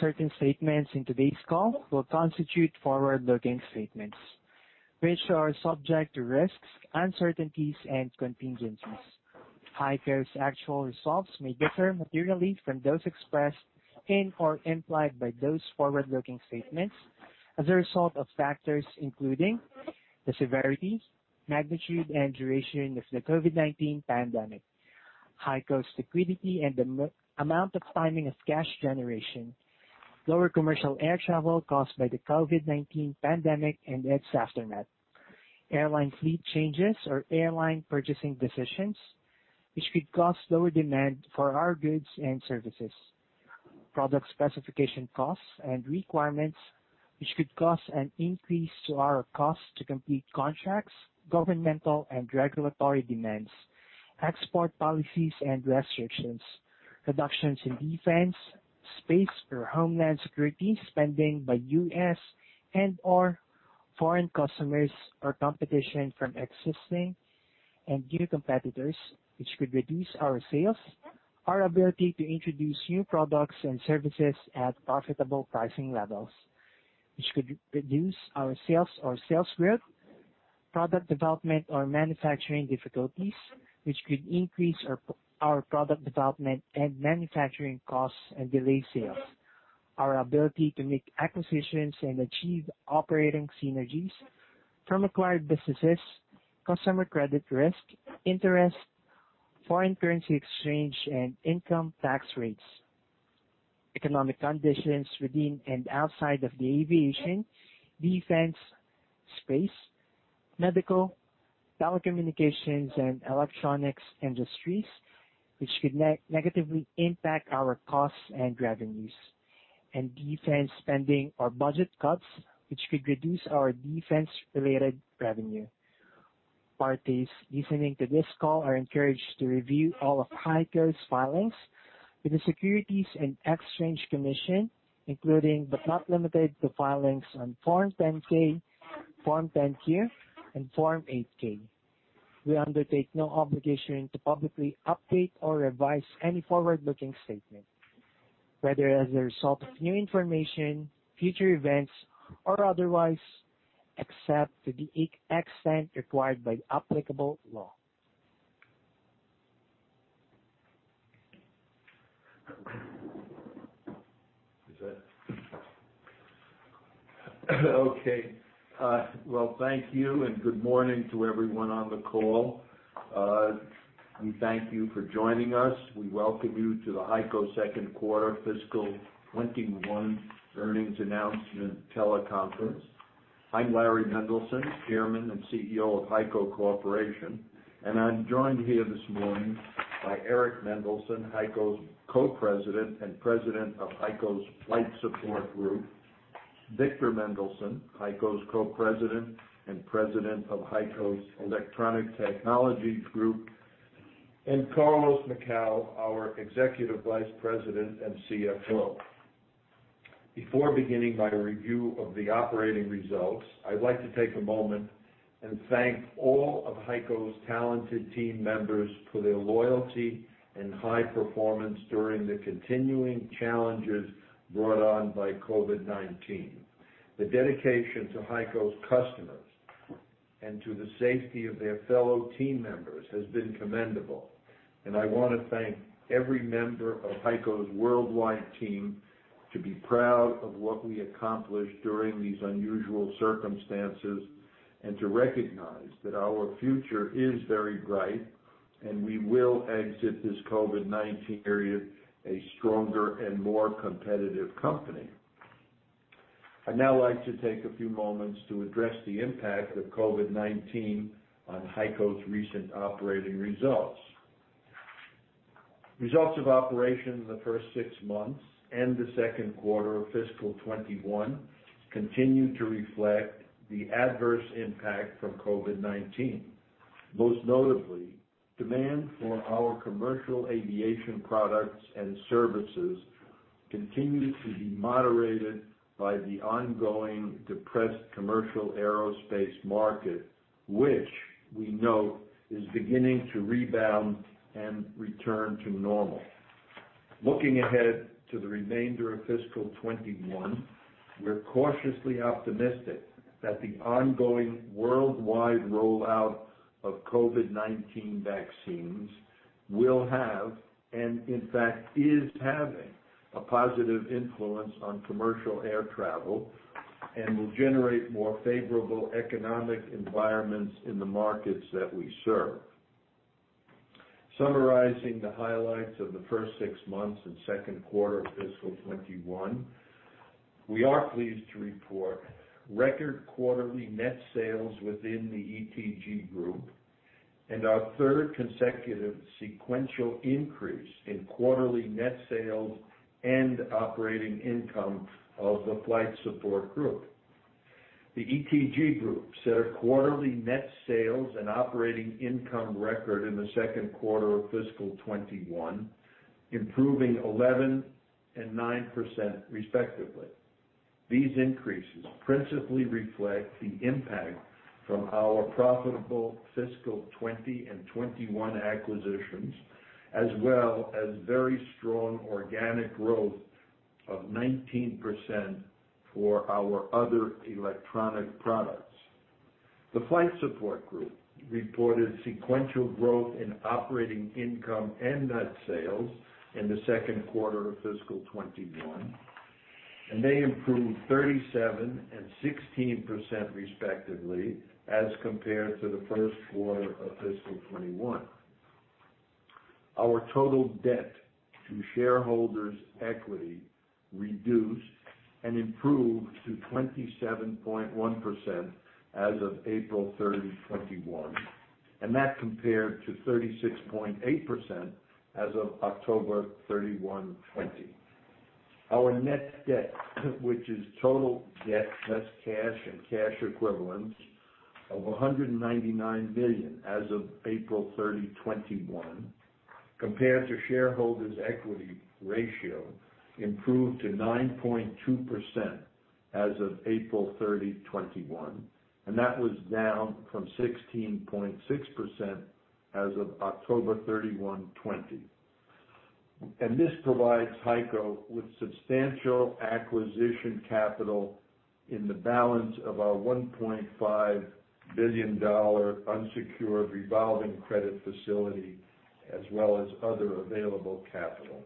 Certain statements in today's call will constitute forward-looking statements, which are subject to risks, uncertainties, and contingencies. HEICO's actual results may differ materially from those expressed in or implied by those forward-looking statements as a result of factors including the severities, magnitude, and duration of the COVID-19 pandemic, HEICO's liquidity and the amount and timing of cash generation, lower commercial air travel caused by the COVID-19 pandemic and its aftermath, airline fleet changes or airline purchasing decisions which could cause lower demand for our goods and services, product specification costs and requirements which could cause an increase to our cost to complete contracts, governmental and regulatory demands, export policies and restrictions, reductions in defense, space or homeland security spending by U.S. and/or foreign customers or competition from existing and new competitors, which could reduce our sales, our ability to introduce new products and services at profitable pricing levels which could reduce our sales or sales growth, product development or manufacturing difficulties which could increase our product development and manufacturing costs and delay sales, our ability to make acquisitions and achieve operating synergies from acquired businesses, customer credit risk, interest, foreign currency exchange and income tax rates, economic conditions within and outside of the aviation, defense, space, medical, telecommunications, and electronics industries which could negatively impact our costs and revenues, and defense spending or budget cuts which could reduce our defense-related revenue. Parties listening to this call are encouraged to review all of HEICO's filings with the Securities and Exchange Commission, including but not limited to filings on Form 10-K, Form 10-Q, and Form 8-K. We undertake no obligation to publicly update or revise any forward-looking statement, whether as a result of new information, future events, or otherwise, except to the extent required by applicable law. Well, thank you, and good morning to everyone on the call. We thank you for joining us. We welcome you to the HEICO second quarter fiscal 2021 earnings announcement teleconference. I'm Laurans A. Mendelson, Chairman and CEO of HEICO Corporation, and I'm joined here this morning by Eric A. Mendelson, HEICO's Co-President and President of HEICO's Flight Support Group, Victor H. Mendelson, HEICO's Co-President and President of HEICO's Electronic Technologies Group, and Carlos L. Macau, our Executive Vice President and CFO. Before beginning my review of the operating results, I'd like to take a moment and thank all of HEICO's talented team members for their loyalty and high performance during the continuing challenges brought on by COVID-19. The dedication to HEICO's customers and to the safety of their fellow team members has been commendable. I want to thank every member of HEICO's worldwide team to be proud of what we accomplished during these unusual circumstances and to recognize that our future is very bright, and we will exit this COVID-19 period a stronger and more competitive company. I'd now like to take a few moments to address the impact of COVID-19 on HEICO's recent operating results. Results of operations in the first six months and the second quarter of fiscal 2021 continue to reflect the adverse impact from COVID-19. Most notably, demand for our commercial aviation products and services continued to be moderated by the ongoing depressed commercial aerospace market, which we note is beginning to rebound and return to normal. Looking ahead to the remainder of fiscal 2021, we're cautiously optimistic that the ongoing worldwide rollout of COVID-19 vaccines will have, and in fact is having, a positive influence on commercial air travel and will generate more favorable economic environments in the markets that we serve. Summarizing the highlights of the first six months and second quarter of fiscal 2021, we are pleased to report record quarterly net sales within the ETG Group and our third consecutive sequential increase in quarterly net sales and operating income of the Flight Support Group. The ETG Group set a quarterly net sales and operating income record in the second quarter of fiscal 2021, improving 11% and 9% respectively. These increases principally reflect the impact from our profitable fiscal 2020 and 2021 acquisitions, as well as very strong organic growth of 19% for our other electronic products. The Flight Support Group reported sequential growth in operating income and net sales in the second quarter of fiscal 2021. They improved 37% and 16%, respectively, as compared to the first quarter of fiscal 2021. Our total debt to shareholders' equity reduced and improved to 27.1% as of April 30th, 2021. That compared to 36.8% as of October 31st, 2020. Our net debt, which is total debt, less cash and cash equivalents of $199 million as of April 30th, 2021, compared to shareholders' equity ratio, improved to 9.2% as of April 30th, 2021. That was down from 16.6% as of October 31st, 2020. This provides HEICO with substantial acquisition capital in the balance of our $1.5 billion unsecured revolving credit facility, as well as other available capital.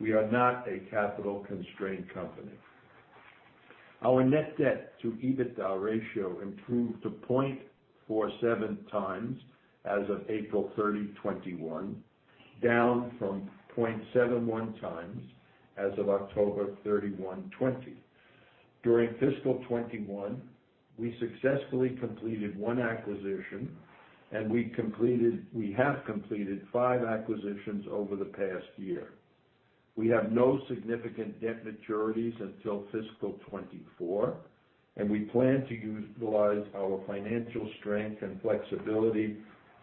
We are not a capital-constrained company. Our net debt to EBITDA ratio improved to 0.47 times as of April 30th, 2021, down from 0.71 times as of October 31st, 2020. During fiscal 2021, we successfully completed one acquisition. We have completed five acquisitions over the past year. We have no significant debt maturities until fiscal 2024. We plan to utilize our financial strength and flexibility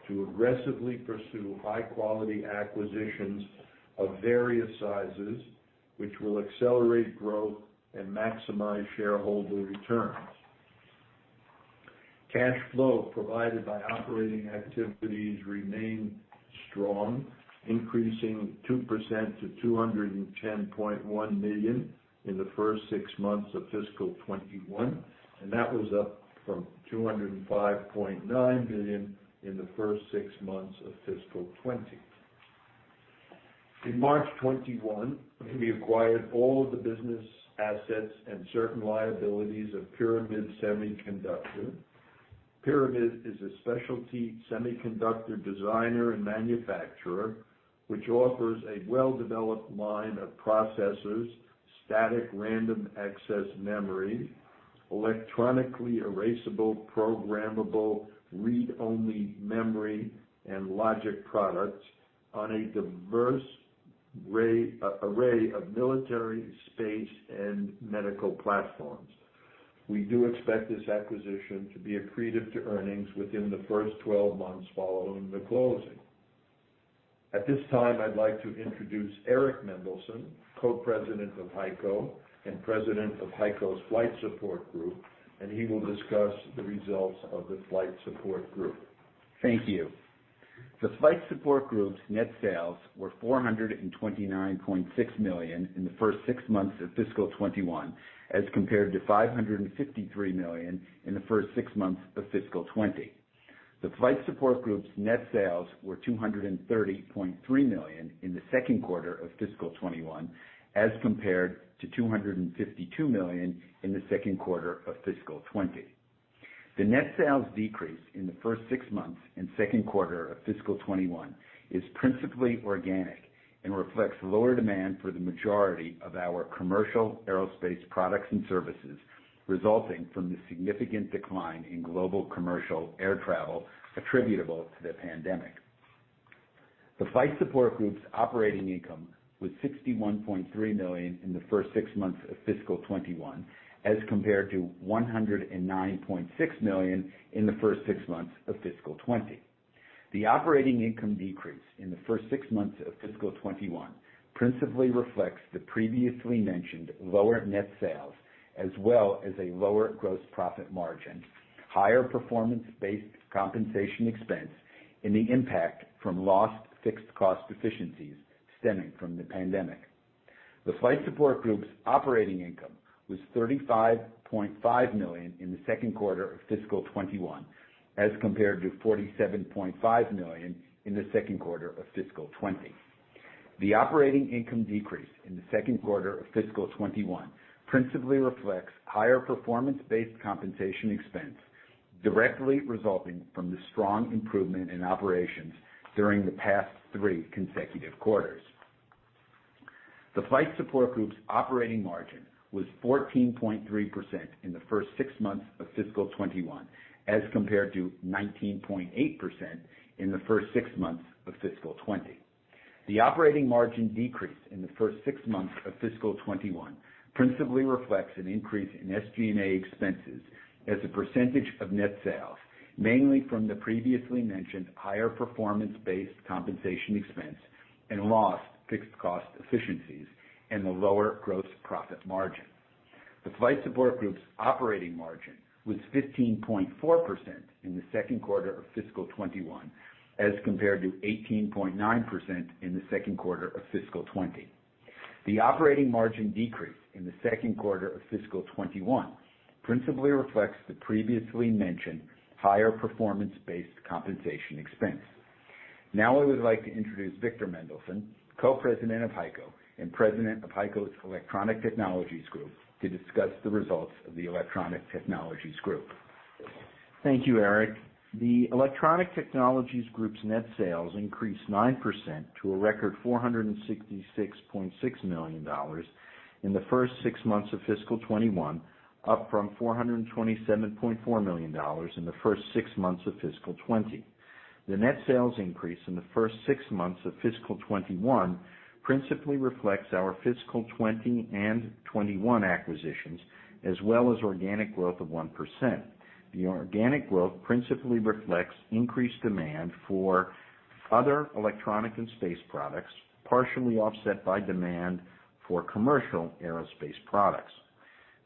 to aggressively pursue high-quality acquisitions of various sizes, which will accelerate growth and maximize shareholder returns. Cash flow provided by operating activities remained strong, increasing 2% to $210.1 million in the first six months of fiscal 2021. That was up from $205.9 million in the first six months of fiscal 2020. In March 2021, we acquired all of the business assets and certain liabilities of Pyramid Semiconductor. Pyramid is a specialty semiconductor designer and manufacturer, which offers a well-developed line of processors, static random access memory, electrically erasable programmable read-only memory, and logic products on a diverse array of military, space, and medical platforms. We do expect this acquisition to be accretive to earnings within the first 12 months following the closing. At this time, I'd like to introduce Eric Mendelson, Co-President of HEICO and President of HEICO's Flight Support Group, and he will discuss the results of the Flight Support Group. Thank you. The Flight Support Group's net sales were $429.6 million in the first six months of fiscal 2021, as compared to $553 million in the first six months of fiscal 2020. The Flight Support Group's net sales were $230.3 million in the second quarter of fiscal 2021, as compared to $252 million in the second quarter of fiscal 2020. The net sales decrease in the first six months and second quarter of fiscal 2021 is principally organic and reflects lower demand for the majority of our commercial aerospace products and services, resulting from the significant decline in global commercial air travel attributable to the pandemic. The Flight Support Group's operating income was $61.3 million in the first six months of fiscal 2021, as compared to $109.6 million in the first six months of fiscal 2020. The operating income decrease in the first six months of fiscal 2021 principally reflects the previously mentioned lower net sales, as well as a lower gross profit margin, higher performance-based compensation expense, and the impact from lost fixed cost efficiencies stemming from the pandemic. The Flight Support Group's operating income was $35.5 million in the second quarter of fiscal 2021, as compared to $47.5 million in the second quarter of fiscal 2020. The operating income decrease in the second quarter of fiscal 2021 principally reflects higher performance-based compensation expense directly resulting from the strong improvement in operations during the past three consecutive quarters. The Flight Support Group's operating margin was 14.3% in the first six months of fiscal 2021, as compared to 19.8% in the first six months of fiscal 2020. The operating margin decrease in the first six months of fiscal 2021 principally reflects an increase in SG&A expenses as a % of net sales, mainly from the previously mentioned higher performance-based compensation expense and lost fixed cost efficiencies and a lower gross profit margin. The Flight Support Group's operating margin was 15.4% in the second quarter of fiscal 2021, as compared to 18.9% in the second quarter of fiscal 2020. The operating margin decrease in the second quarter of fiscal 2021 principally reflects the previously mentioned higher performance-based compensation expense. I would like to introduce Victor Mendelson, Co-President of HEICO and President of HEICO's Electronic Technologies Group, to discuss the results of the Electronic Technologies Group. Thank you, Eric. The Electronic Technologies Group's net sales increased 9% to a record $466.6 million in the first six months of fiscal 2021, up from $427.4 million in the first six months of fiscal 2020. The net sales increase in the first six months of fiscal 2021 principally reflects our fiscal 2020 and 2021 acquisitions, as well as organic growth of 1%. The organic growth principally reflects increased demand for other electronic and space products, partially offset by demand for commercial aerospace products.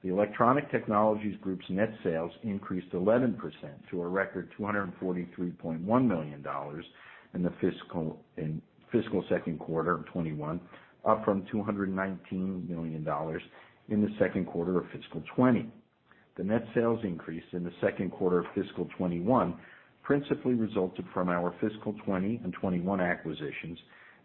The Electronic Technologies Group's net sales increased 11% to a record $243.1 million in the fiscal second quarter of 2021, up from $219 million in the second quarter of fiscal 2020. The net sales increase in the second quarter of fiscal 2021 principally resulted from our fiscal 2020 and 2021 acquisitions,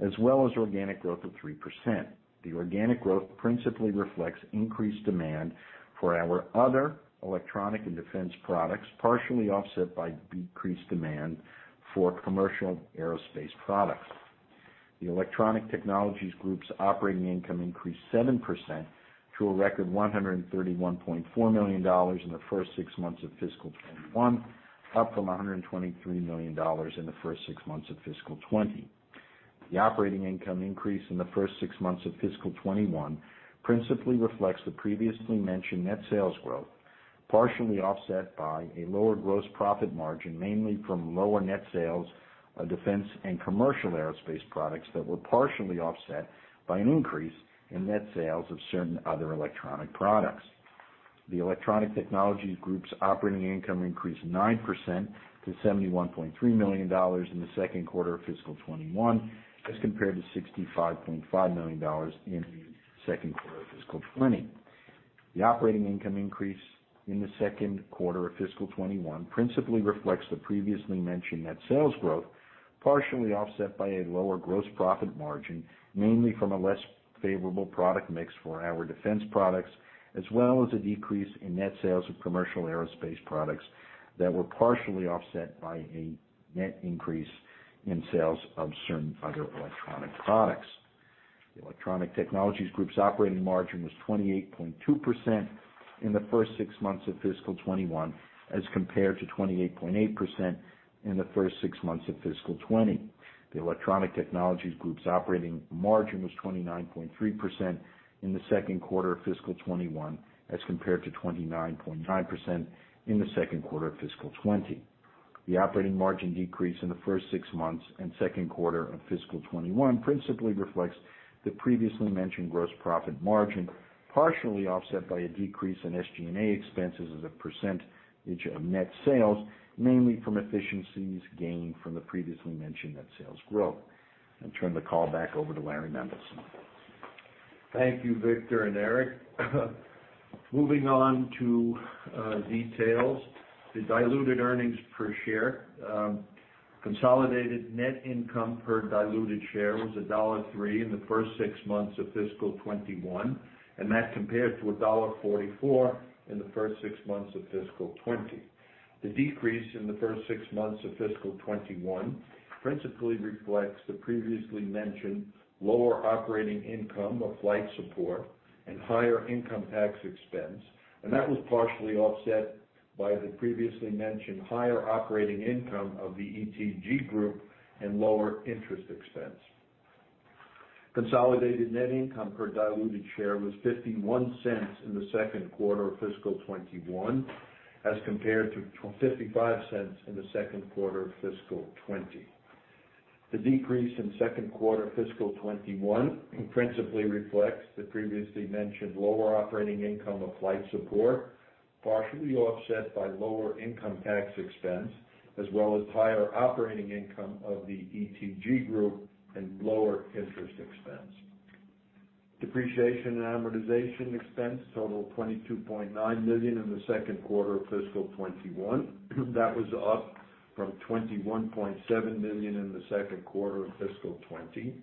as well as organic growth of 3%. The organic growth principally reflects increased demand for our other electronic and defense products, partially offset by decreased demand for commercial aerospace products. The Electronic Technologies Group's operating income increased 7% to a record $131.4 million in the first six months of fiscal 2021, up from $123 million in the first six months of fiscal 2020. The operating income increase in the first six months of fiscal 2021 principally reflects the previously mentioned net sales growth, partially offset by a lower gross profit margin, mainly from lower net sales of defense and commercial aerospace products that were partially offset by an increase in net sales of certain other electronic products. The Electronic Technologies Group's operating income increased 9% to $71.3 million in the second quarter of fiscal 2021 as compared to $65.5 million in the second quarter of fiscal 2020. The operating income increase in the second quarter of fiscal 2021 principally reflects the previously mentioned net sales growth, partially offset by a lower gross profit margin, mainly from a less favorable product mix for our defense products, as well as a decrease in net sales of commercial aerospace products that were partially offset by a net increase in sales of certain other electronic products. The Electronic Technologies Group's operating margin was 28.2% in the first six months of fiscal 2021, as compared to 28.8% in the first six months of fiscal 2020. The Electronic Technologies Group's operating margin was 29.3% in the second quarter of fiscal 2021, as compared to 29.9% in the second quarter of fiscal 2020. The operating margin decrease in the first six months and second quarter of fiscal 2021 principally reflects the previously mentioned gross profit margin, partially offset by a decrease in SG&A expenses as a % of net sales, mainly from efficiencies gained from the previously mentioned net sales growth. I'll turn the call back over to Laurans A. Mendelson. Thank you, Victor and Eric. Moving on to details. The diluted earnings per share. Consolidated net income per diluted share was $1.03 in the first six months of fiscal 2021, and that compared to $1.44 in the first six months of fiscal 2020. The decrease in the first six months of fiscal 2021 principally reflects the previously mentioned lower operating income of Flight Support and higher income tax expense, and that was partially offset by the previously mentioned higher operating income of the ETG Group and lower interest expense. Consolidated net income per diluted share was $0.51 in the second quarter of fiscal 2021 as compared to $0.55 in the second quarter of fiscal 2020. The decrease in second quarter fiscal 2021 principally reflects the previously mentioned lower operating income of Flight Support, partially offset by lower income tax expense, as well as higher operating income of the ETG group and lower interest expense. Depreciation and amortization expense totaled $22.9 million in the second quarter of fiscal 2021. That was up from $21.7 million in the second quarter of fiscal 2020.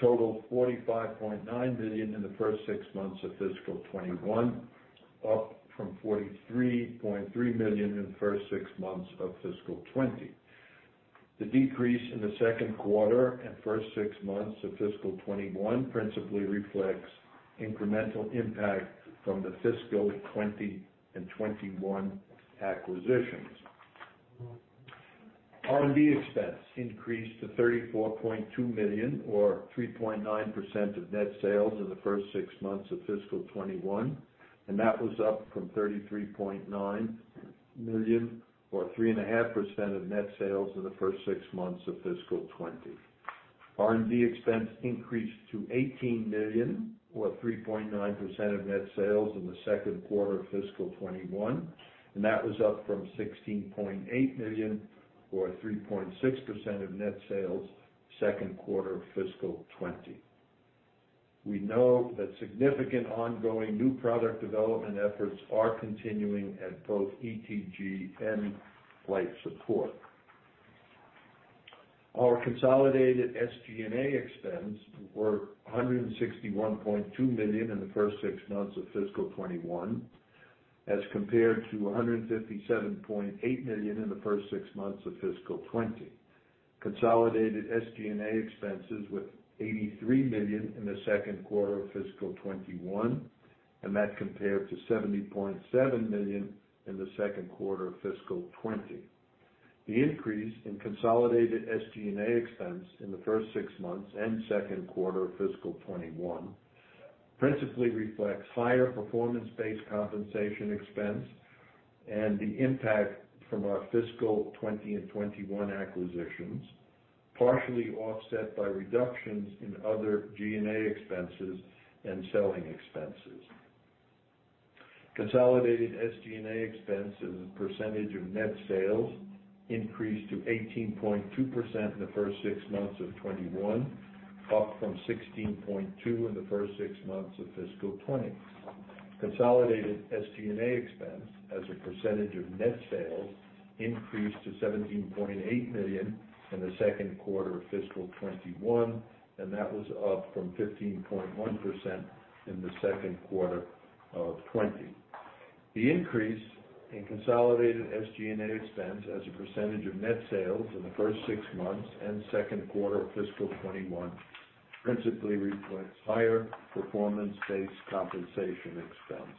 Total of $45.9 million in the first six months of fiscal 2021, up from $43.3 million in the first six months of fiscal 2020. The decrease in the second quarter and first six months of fiscal 2021 principally reflects incremental impact from the fiscal 2020 and 2021 acquisitions. R&D expense increased to $34.2 million, or 3.9% of net sales, in the first six months of fiscal 2021, and that was up from $33.9 million or 3.5% of net sales in the first six months of fiscal 2020. R&D expense increased to $18 million, or 3.9% of net sales in the second quarter of fiscal 2021. That was up from $16.8 million, or 3.6% of net sales second quarter of fiscal 2020. We know that significant ongoing new product development efforts are continuing at both ETG and Flight Support. Our consolidated SG&A expense were $161.2 million in the first six months of fiscal 2021, as compared to $157.8 million in the first six months of fiscal 2020. Consolidated SG&A expenses were $83 million in the second quarter of fiscal 2021. That compared to $70.7 million in the second quarter of fiscal 2020. The increase in consolidated SG&A expense in the first six months and second quarter of fiscal 2021 principally reflects higher performance-based compensation expense and the impact from our fiscal 2020 and 2021 acquisitions, partially offset by reductions in other G&A expenses and selling expenses. Consolidated SG&A expense as a percentage of net sales increased to 18.2% in the first six months of 2021, up from 16.2% in the first six months of fiscal 2020. Consolidated SG&A expense as a percentage of net sales increased to $17.8 million in the second quarter of fiscal 2021, and that was up from 15.1% in the second quarter of 2020. The increase in consolidated SG&A expense as a percentage of net sales in the first six months and second quarter of fiscal 2021 principally reflects higher performance-based compensation expense.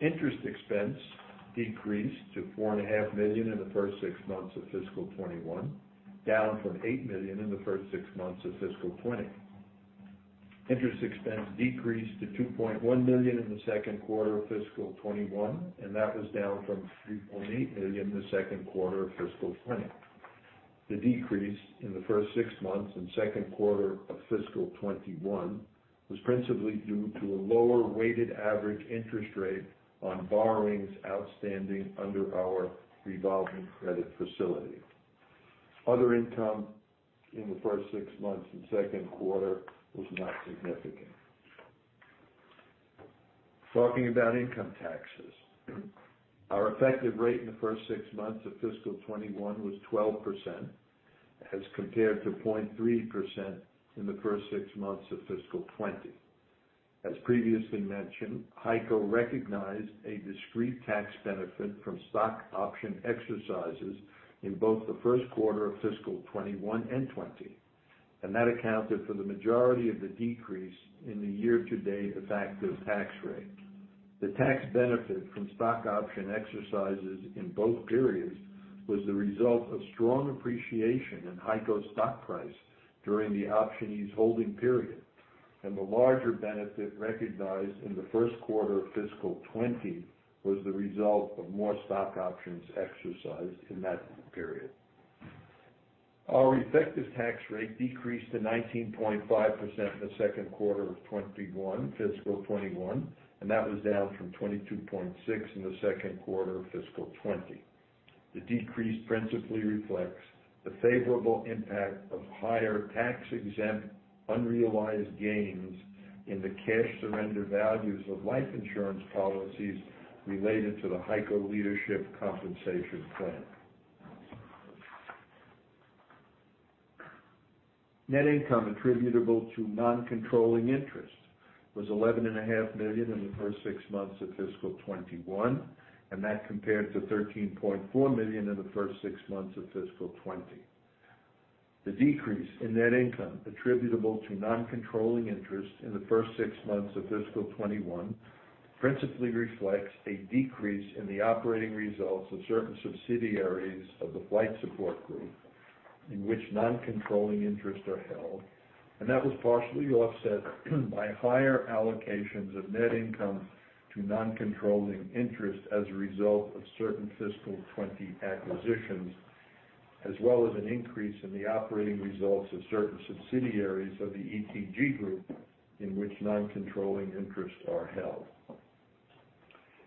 Interest expense decreased to $4.5 million in the first six months of fiscal 2021, down from $8 million in the first six months of fiscal 2020. Interest expense decreased to $2.1 million in the second quarter of fiscal 2021, and that was down from $3.8 million in the second quarter of fiscal 2020. The decrease in the first six months and second quarter of fiscal 2021 was principally due to a lower weighted average interest rate on borrowings outstanding under our revolving credit facility. Other income in the first six months and second quarter was not significant. Talking about income taxes. Our effective rate in the first six months of fiscal 2021 was 12%, as compared to 0.3% in the first six months of fiscal 2020. As previously mentioned, HEICO recognized a discrete tax benefit from stock option exercises in both the first quarter of fiscal 2021 and 2020. That accounted for the majority of the decrease in the year-to-date effective tax rate. The tax benefit from stock option exercises in both periods was the result of strong appreciation in HEICO stock price during the optionee's holding period, and the larger benefit recognized in the first quarter of fiscal 2020 was the result of more stock options exercised in that period. Our effective tax rate decreased to 19.5% in the second quarter of fiscal 2021, and that was down from 22.6% in the second quarter of fiscal 2020. The decrease principally reflects the favorable impact of higher tax-exempt, unrealized gains in the cash surrender values of life insurance policies related to the HEICO Leadership Compensation Plan. Net income attributable to non-controlling interests was $11.5 million in the first six months of fiscal 2021, and that compared to $13.4 million in the first six months of fiscal 2020. The decrease in net income attributable to non-controlling interests in the first six months of fiscal 2021 principally reflects a decrease in the operating results of certain subsidiaries of the Flight Support Group, in which non-controlling interests are held, and that was partially offset by higher allocations of net income to non-controlling interests as a result of certain fiscal 2020 acquisitions, as well as an increase in the operating results of certain subsidiaries of the ETG Group, in which non-controlling interests are held.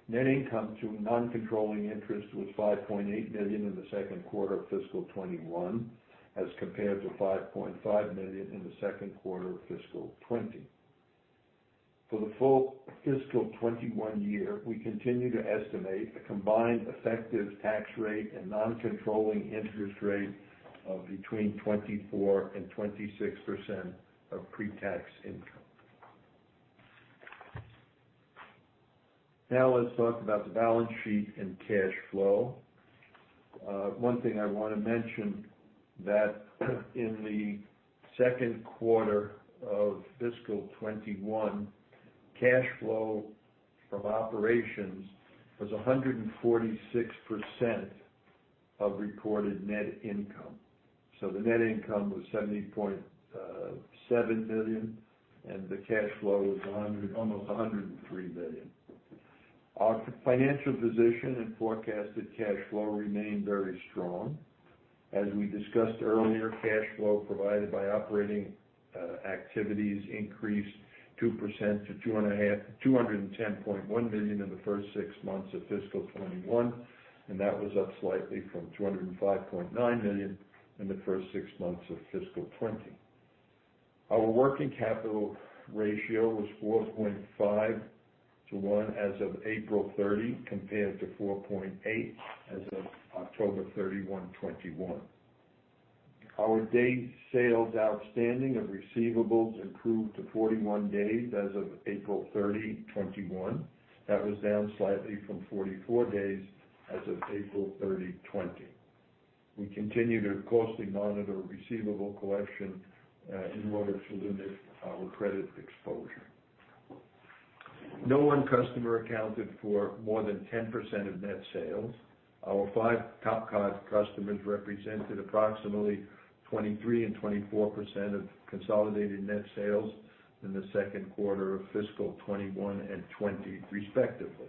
Net income to non-controlling interests was $5.8 million in the second quarter of fiscal 2021, as compared to $5.5 million in the second quarter of fiscal 2020. For the full fiscal 2021 year, we continue to estimate a combined effective tax rate and non-controlling interest rate of between 24% and 26% of pre-tax income. Now let's talk about the balance sheet and cash flow. One thing I want to mention that in the second quarter of fiscal 2021, cash flow from operations was 146% of recorded net income. The net income was $70.7 million, and the cash flow was almost $103 million. Our financial position and forecasted cash flow remain very strong. As we discussed earlier, cash flow provided by operating activities increased 2% to $210.1 million in the first six months of fiscal 2021, and that was up slightly from $205.9 million in the first six months of fiscal 2020. Our working capital ratio was 4.5 to 1 as of April 30th, compared to 4.8 as of October 31st, 2021. Our days sales outstanding of receivables improved to 41 days as of April 30th, 2021. That was down slightly from 44 days as of April 30th, 2020. We continue to closely monitor receivable collection in order to limit our credit exposure. No one customer accounted for more than 10% of net sales. Our five top customers represented approximately 23% and 24% of consolidated net sales in the second quarter of fiscal 2021 and 2020 respectively.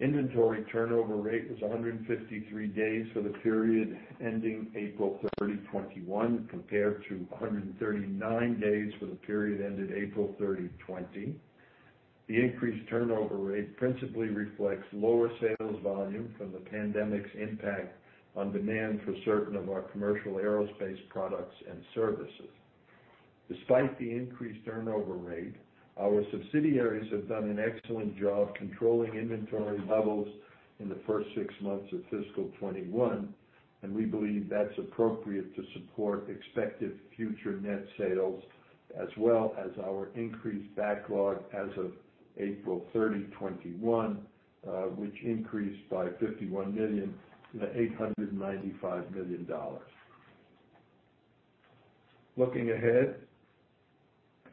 Inventory turnover rate was 153 days for the period ending April 30th, 2021, compared to 139 days for the period ended April 30th, 2020. The increased turnover rate principally reflects lower sales volume from the pandemic's impact on demand for certain of our commercial aerospace products and services. Despite the increased turnover rate, our subsidiaries have done an excellent job controlling inventory levels in the first six months of fiscal 2021, and we believe that's appropriate to support expected future net sales as well as our increased backlog as of April 30th, 2021, which increased by $51 million-$895 million. Looking ahead,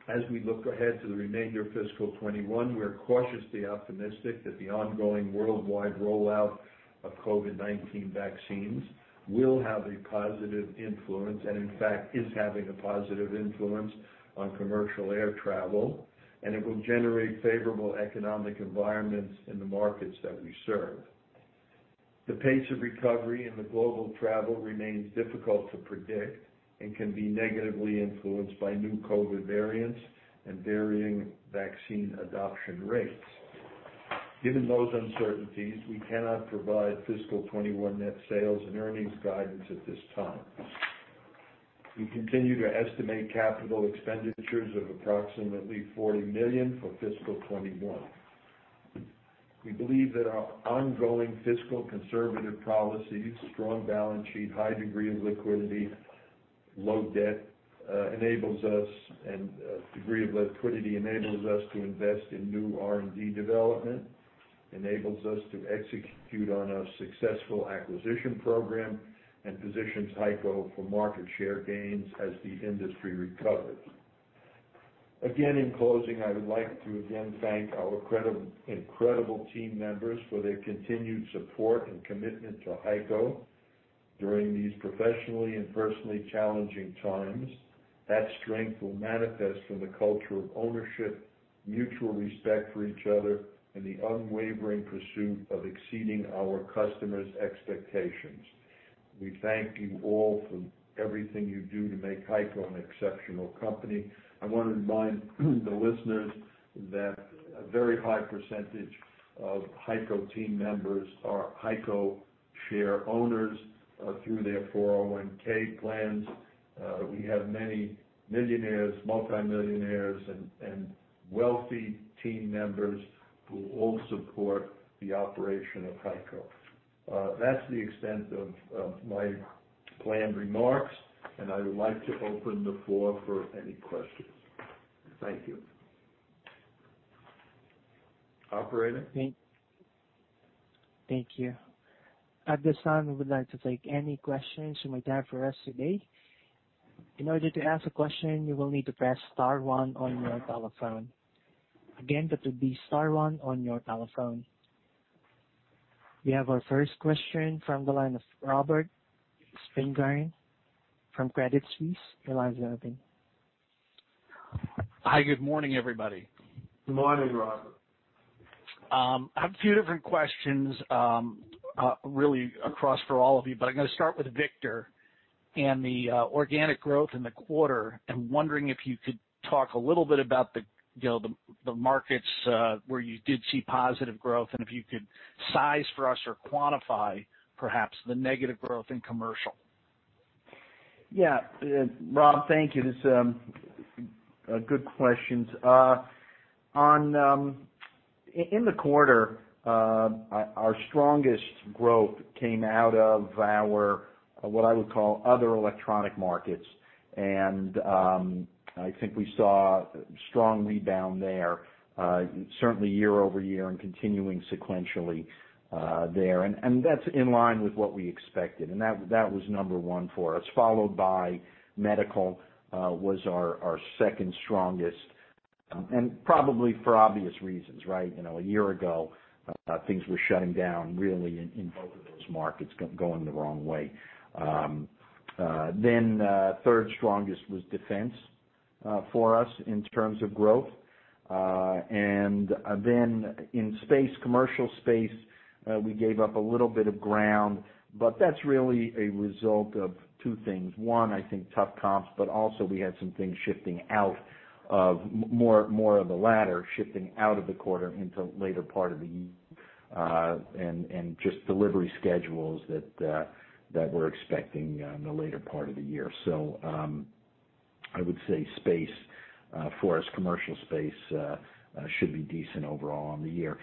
as we look ahead to the remainder of fiscal 2021, we are cautiously optimistic that the ongoing worldwide rollout of COVID-19 vaccines will have a positive influence and, in fact, is having a positive influence on commercial air travel, and it will generate favorable economic environments in the markets that we serve. The pace of recovery in the global travel remains difficult to predict and can be negatively influenced by new COVID variants and varying vaccine adoption rates. Given those uncertainties, we cannot provide fiscal 2021 net sales and earnings guidance at this time. We continue to estimate capital expenditures of approximately $40 million for fiscal 2021. We believe that our ongoing fiscal conservative policies, strong balance sheet, high degree of liquidity, low debt, and degree of liquidity enables us to invest in new R&D development, enables us to execute on our successful acquisition program, and positions HEICO for market share gains as the industry recovers. Again, in closing, I would like to again thank our incredible team members for their continued support and commitment to HEICO during these professionally and personally challenging times. That strength will manifest from the culture of ownership, mutual respect for each other, and the unwavering pursuit of exceeding our customers' expectations. We thank you all for everything you do to make HEICO an exceptional company. I want to remind the listeners that a very high percentage of HEICO team members are HEICO share owners through their 401(k) plans. We have many millionaires, multimillionaires, and wealthy team members who all support the operation of HEICO. That's the extent of my planned remarks, and I would like to open the floor for any questions. Thank you. Operator? Thank you. At this time, we would like to take any questions you might have for us today. We have our first question from the line of Robert Spingarn from Credit Suisse. Your line's open. Hi. Good morning, everybody. Good morning, Robert. I have a few different questions really across for all of you, but I am going to start with Victor and the organic growth in the quarter, and wondering if you could talk a little bit about the markets where you did see positive growth, and if you could size for us or quantify perhaps the negative growth in commercial. Yeah. Rob, thank you. These are good questions. In the quarter, our strongest growth came out of our, what I would call other electronic markets, and I think we saw strong rebound there, certainly year-over-year and continuing sequentially there. That's in line with what we expected. That was number one for us, followed by medical was our second strongest, and probably for obvious reasons, right? A year ago, things were shutting down really in both of those markets, going the wrong way. Third strongest was Defense for us in terms of growth. In commercial space, we gave up a little bit of ground, but that's really a result of two things. I think tough comps, but also we had some things shifting out of more of the latter, shifting out of the quarter into later part of the year, and just delivery schedules that we're expecting in the later part of the year. I would say space for us, commercial space, should be decent overall on the year.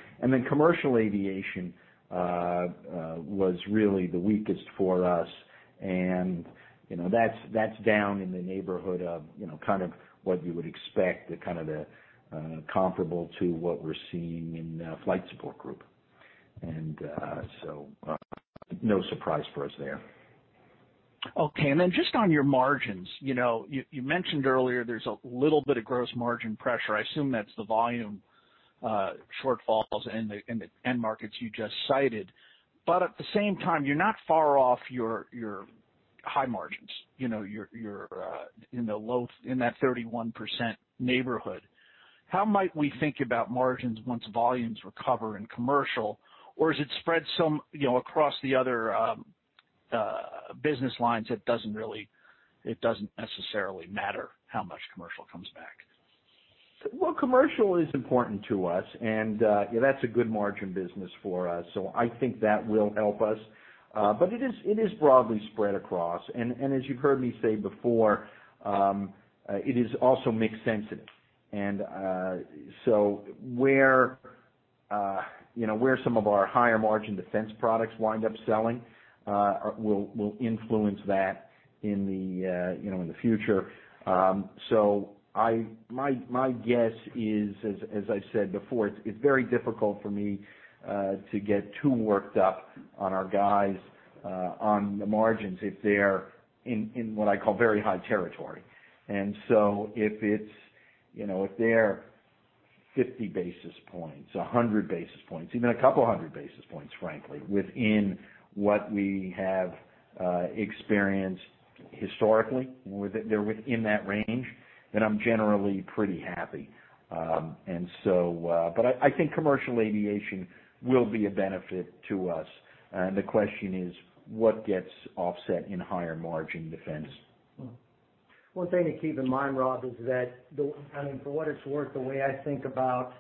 Commercial aviation was really the weakest for us. That's down in the neighborhood of kind of what you would expect, kind of comparable to what we're seeing in Flight Support Group. No surprise for us there. Okay. Just on your margins, you mentioned earlier there's a little bit of gross margin pressure. I assume that's the volume shortfalls in the end markets you just cited. At the same time, you're not far off your high margins, your low in that 31% neighborhood. How might we think about margins once volumes recover in commercial? Is it spread so across the other business lines, it doesn't necessarily matter how much commercial comes back? Commercial is important to us, and that's a good margin business for us. I think that will help us. It is broadly spread across. As you've heard me say before, it is also mix sensitive. Where some of our higher margin defense products wind up selling will influence that in the future. My guess is, as I said before, it's very difficult for me to get too worked up on our guys on the margins if they're in what I call very high territory. If they're 50 basis points, 100 basis points, even a couple of hundred basis points, frankly, within what we have experienced historically, they're in that range, then I'm generally pretty happy. I think commercial aviation will be a benefit to us, and the question is, what gets offset in higher margin defense? One thing to keep in mind, Rob, is that, for what it's worth, the way I think about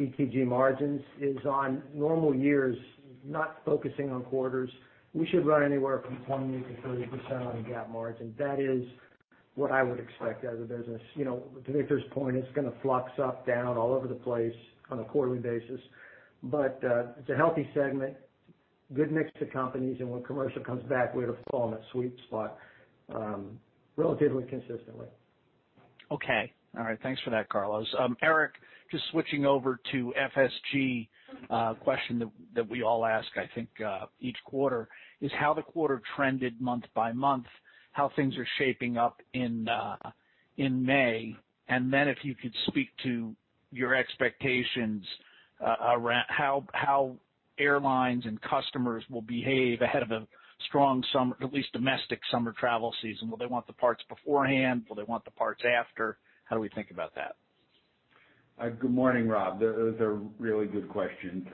ETG margins is on normal years, not focusing on quarters, we should run anywhere from 20%-30% on a GAAP margin. That is what I would expect out of the business. To Victor's point, it's going to flux up, down, all over the place on a quarterly basis. It's a healthy segment, good mix of companies, and when commercial comes back, we'll fall in that sweet spot, relatively consistently. Okay. All right. Thanks for that, Carlos. Eric, just switching over to FSG, a question that we all ask, I think, each quarter is how the quarter trended month by month, how things are shaping up in May, and then if you could speak to your expectations around how airlines and customers will behave ahead of a strong summer, at least domestic summer travel season. Will they want the parts beforehand? Will they want the parts after? How do we think about that? Good morning, Rob. Those are really good questions.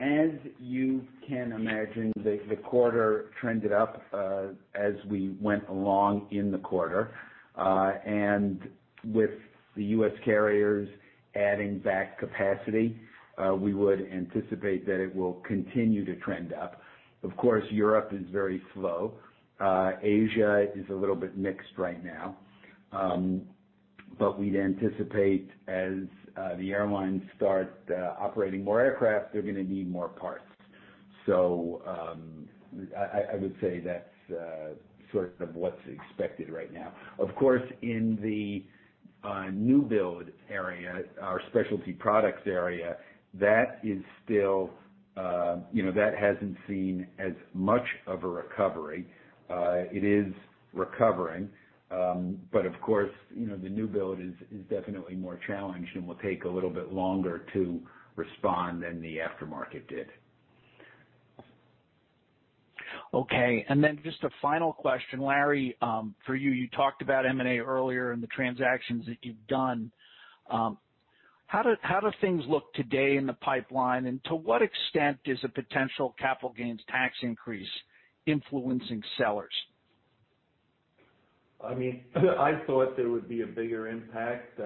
As you can imagine, the quarter trended up as we went along in the quarter. With the U.S. carriers adding back capacity, we would anticipate that it will continue to trend up. Of course, Europe is very slow. Asia is a little bit mixed right now. We'd anticipate as the airlines start operating more aircraft, they're going to need more parts. I would say that's sort of what's expected right now. Of course, in the new build area, our specialty products area, that hasn't seen as much of a recovery. It is recovering, but of course, the new build is definitely more challenged and will take a little bit longer to respond than the aftermarket did. Okay, just a final question, Larry, for you. You talked about M&A earlier and the transactions that you've done. How do things look today in the pipeline, and to what extent is a potential capital gains tax increase influencing sellers? I thought there would be a bigger impact.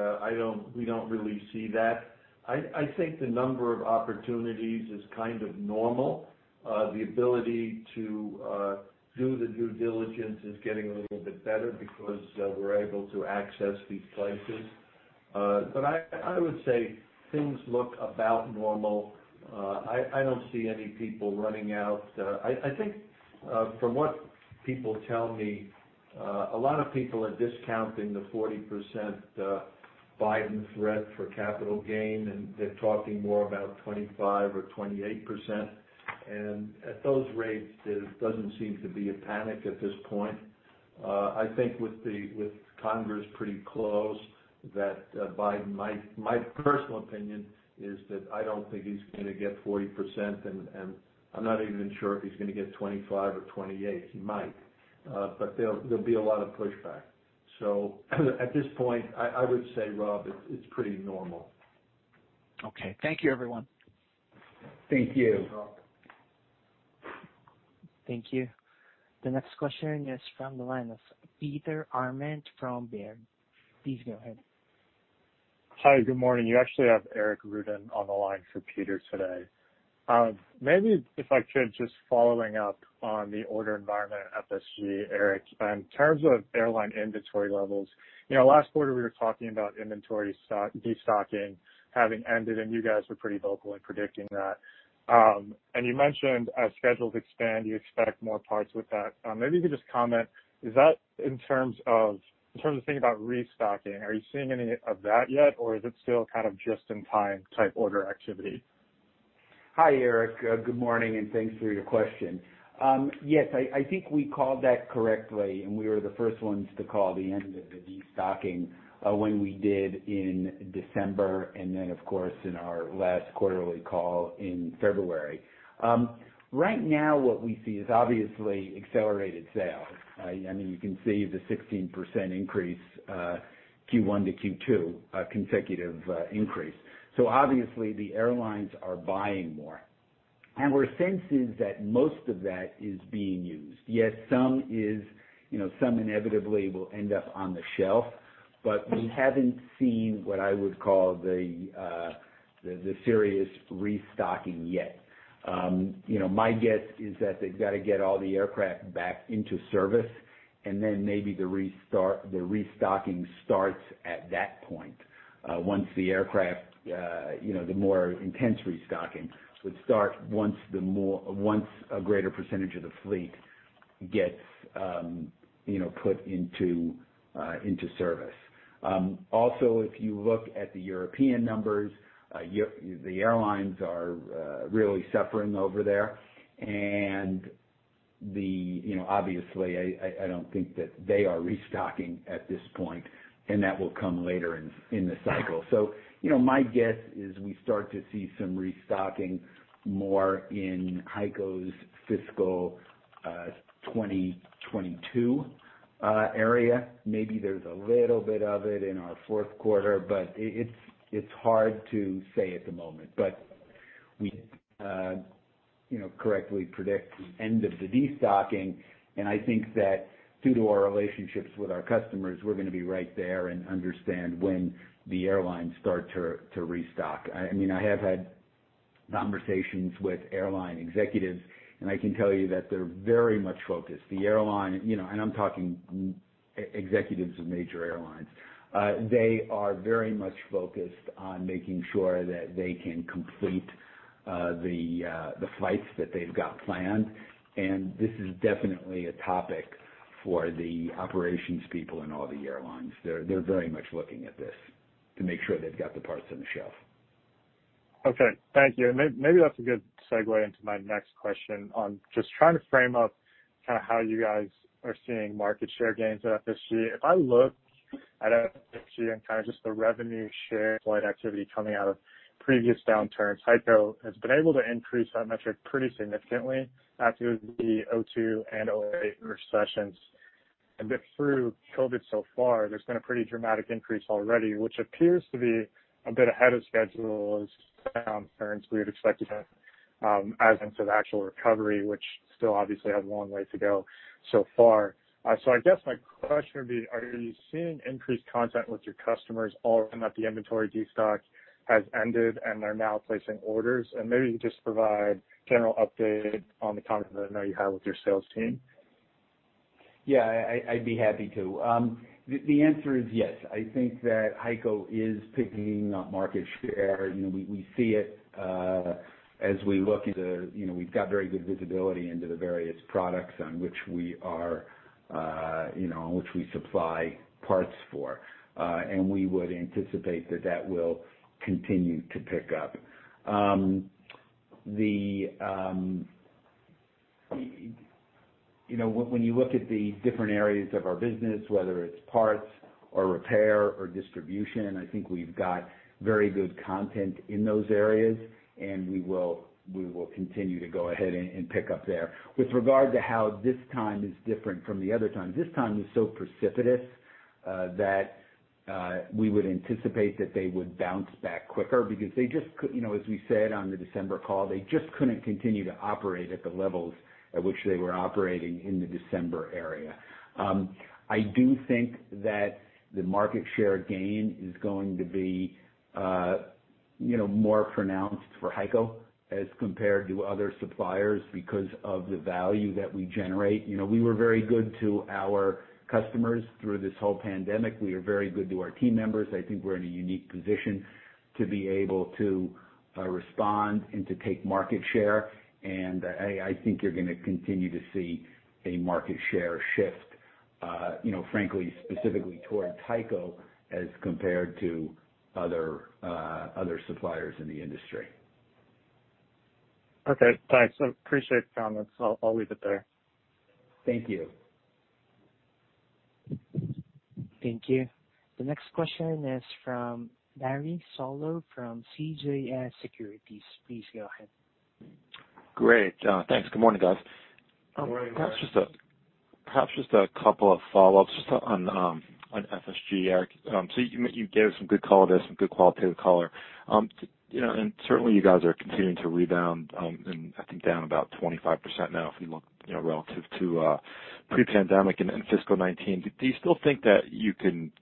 We don't really see that. I think the number of opportunities is kind of normal. The ability to do the due diligence is getting a little bit better because we're able to access these places. I would say things look about normal. I don't see any people running out. I think from what people tell me, a lot of people are discounting the 40% Biden threat for capital gain, and they're talking more about 25% or 28%. At those rates, there doesn't seem to be a panic at this point. I think with Congress pretty close that Biden, my personal opinion is that I don't think he's going to get 40%. I'm not even sure if he's going to get 25 or 28. He might. There'll be a lot of pushback. At this point, I would say, Rob, it's pretty normal. Okay. Thank you everyone. Thank you. Thank you. The next question is from the line of Peter Arment from Baird. Please go ahead. Hi. Good morning. You actually have Eric Ruden on the line for Peter today. Maybe if I could, just following up on the order environment at FSG, Eric, in terms of airline inventory levels. Last quarter we were talking about inventory de-stocking having ended, you guys were pretty vocal in predicting that. You mentioned as schedules expand, you expect more parts with that. Maybe just comment, is that in terms of thinking about restocking, are you seeing any of that yet or is it still kind of just-in-time type order activity? Hi, Eric. Good morning, and thanks for your question. Yes, I think we called that correctly and we were the first ones to call the end of the de-stocking when we did in December, and then of course, in our last quarterly call in February. Right now what we see is obviously accelerated sales. You can see the 16% increase Q1-Q2, consecutive increase. Obviously the airlines are buying more, and our sense is that most of that is being used. Some inevitably will end up on the shelf, but we haven't seen what I would call the serious restocking yet. My guess is that they've got to get all the aircraft back into service and then maybe the restocking starts at that point. Once the aircraft, the more intense restocking would start once a greater percentage of the fleet gets put into service. If you look at the European numbers, the airlines are really suffering over there, and obviously I don't think that they are restocking at this point, and that will come later in the cycle. My guess is we start to see some restocking more in HEICO's fiscal 2022 area. Maybe there's a little bit of it in our fourth quarter, it's hard to say at the moment. We correctly predict the end of the de-stocking, and I think that due to our relationships with our customers, we're going to be right there and understand when the airlines start to restock. I have had conversations with airline executives, and I can tell you that they're very much focused. I'm talking executives of major airlines. They are very much focused on making sure that they can complete the flights that they've got planned. This is definitely a topic for the operations people in all the airlines. They're very much looking at this to make sure they've got the parts on the shelf. Okay. Thank you. Maybe that's a good segue into my next question on just trying to frame up how you guys are seeing market share gains at FSG. If I look at FSG and just the revenue share flight activity coming out of previous downturns, HEICO has been able to increase that metric pretty significantly after the 2002 and 2008 recessions. Through COVID so far, there's been a pretty dramatic increase already, which appears to be a bit ahead of schedule as downturns we had expected as into the actual recovery, which still obviously have a long way to go so far. I guess my question would be, are you seeing increased content with your customers now that the inventory de-stock has ended and are now placing orders? Maybe just provide general update on the content that I know you have with your sales team. Yeah, I'd be happy to. The answer is yes. I think that HEICO is picking up market share. We see it as we look at, we've got very good visibility into the various products on which we supply parts for. We would anticipate that that will continue to pick up. When you look at the different areas of our business, whether it's parts or repair or distribution, I think we've got very good content in those areas, and we will continue to go ahead and pick up there. With regard to how this time is different from the other times, this time is so precipitous that we would anticipate that they would bounce back quicker because they just, as we said on the December call, they just couldn't continue to operate at the levels at which they were operating in the December area. I do think that the market share gain is going to be more pronounced for HEICO as compared to other suppliers because of the value that we generate. We were very good to our customers through this whole pandemic. We are very good to our team members. I think we're in a unique position to be able to respond and to take market share. I think you're going to continue to see a market share shift, frankly, specifically toward HEICO as compared to other suppliers in the industry. Okay, thanks. I appreciate the comments. I'll leave it there. Thank you. Thank you. The next question is from Larry Solow from CJS Securities. Please go ahead. Great, thanks. Good morning, guys. Good morning, Larry. Perhaps just a couple of follow-ups just on FSG. You gave some good color there, some good qualitative color. Certainly, you guys are continuing to rebound, and I think down about 25% now if you look relative to pre-pandemic and fiscal 2019. Do you still think that you can,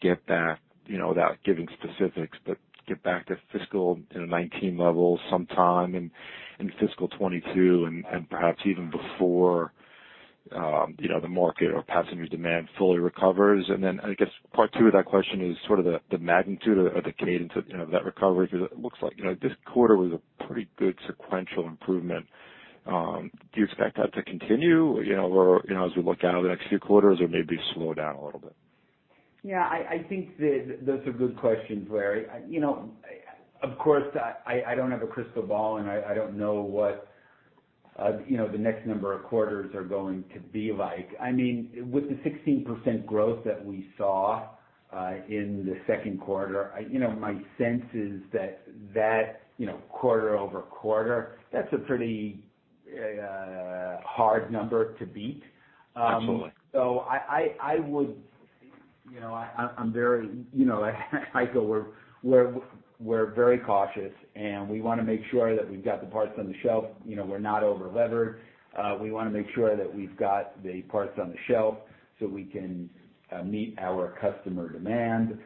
without giving specifics, but get back to fiscal 2019 levels sometime in fiscal 2022 and perhaps even before the market or passenger demand fully recovers? I guess part two of that question is sort of the magnitude of the cadence of that recovery, because it looks like this quarter was a pretty good sequential improvement. Do you expect that to continue as we look out over the next few quarters or maybe slow down a little bit? Yeah, I think that those are good questions, Larry. Of course, I don't have a crystal ball, and I don't know what the next number of quarters are going to be like. With the 16% growth that we saw in the second quarter, my sense is that quarter-over-quarter, that's a pretty hard number to beat. Absolutely. At HEICO, we're very cautious, and we want to make sure that we've got the parts on the shelf. We're not over-levered. We want to make sure that we've got the parts on the shelf so we can meet our customer demand.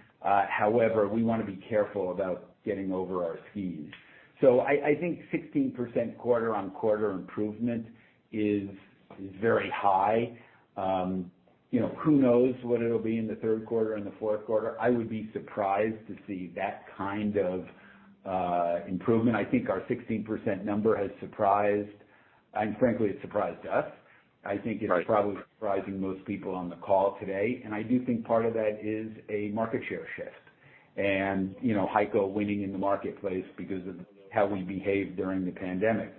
However, we want to be careful about getting over our skis. I think 16% quarter-on-quarter improvement is very high. Who knows what it'll be in the third quarter and the fourth quarter. I would be surprised to see that kind of improvement. I think our 16% number has surprised. Frankly, it surprised us. Right. I think it's probably surprising most people on the call today. I do think part of that is a market share shift and HEICO winning in the marketplace because of how we behaved during the pandemic.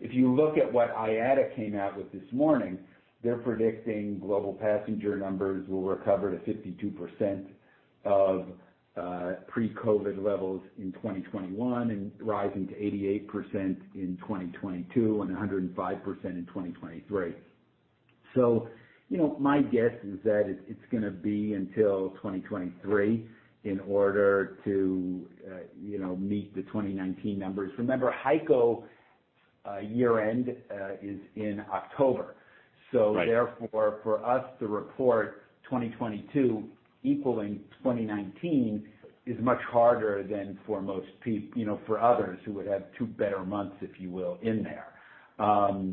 If you look at what IATA came out with this morning, they're predicting global passenger numbers will recover to 52% of pre-COVID-19 levels in 2021 and rising to 88% in 2022 and 105% in 2023. My guess is that it's going to be until 2023 in order to meet the 2019 numbers. Remember, HEICO year-end is in October. Right. Therefore, for us to report 2022 equaling 2019 is much harder than for others who would have two better months, if you will, in there. I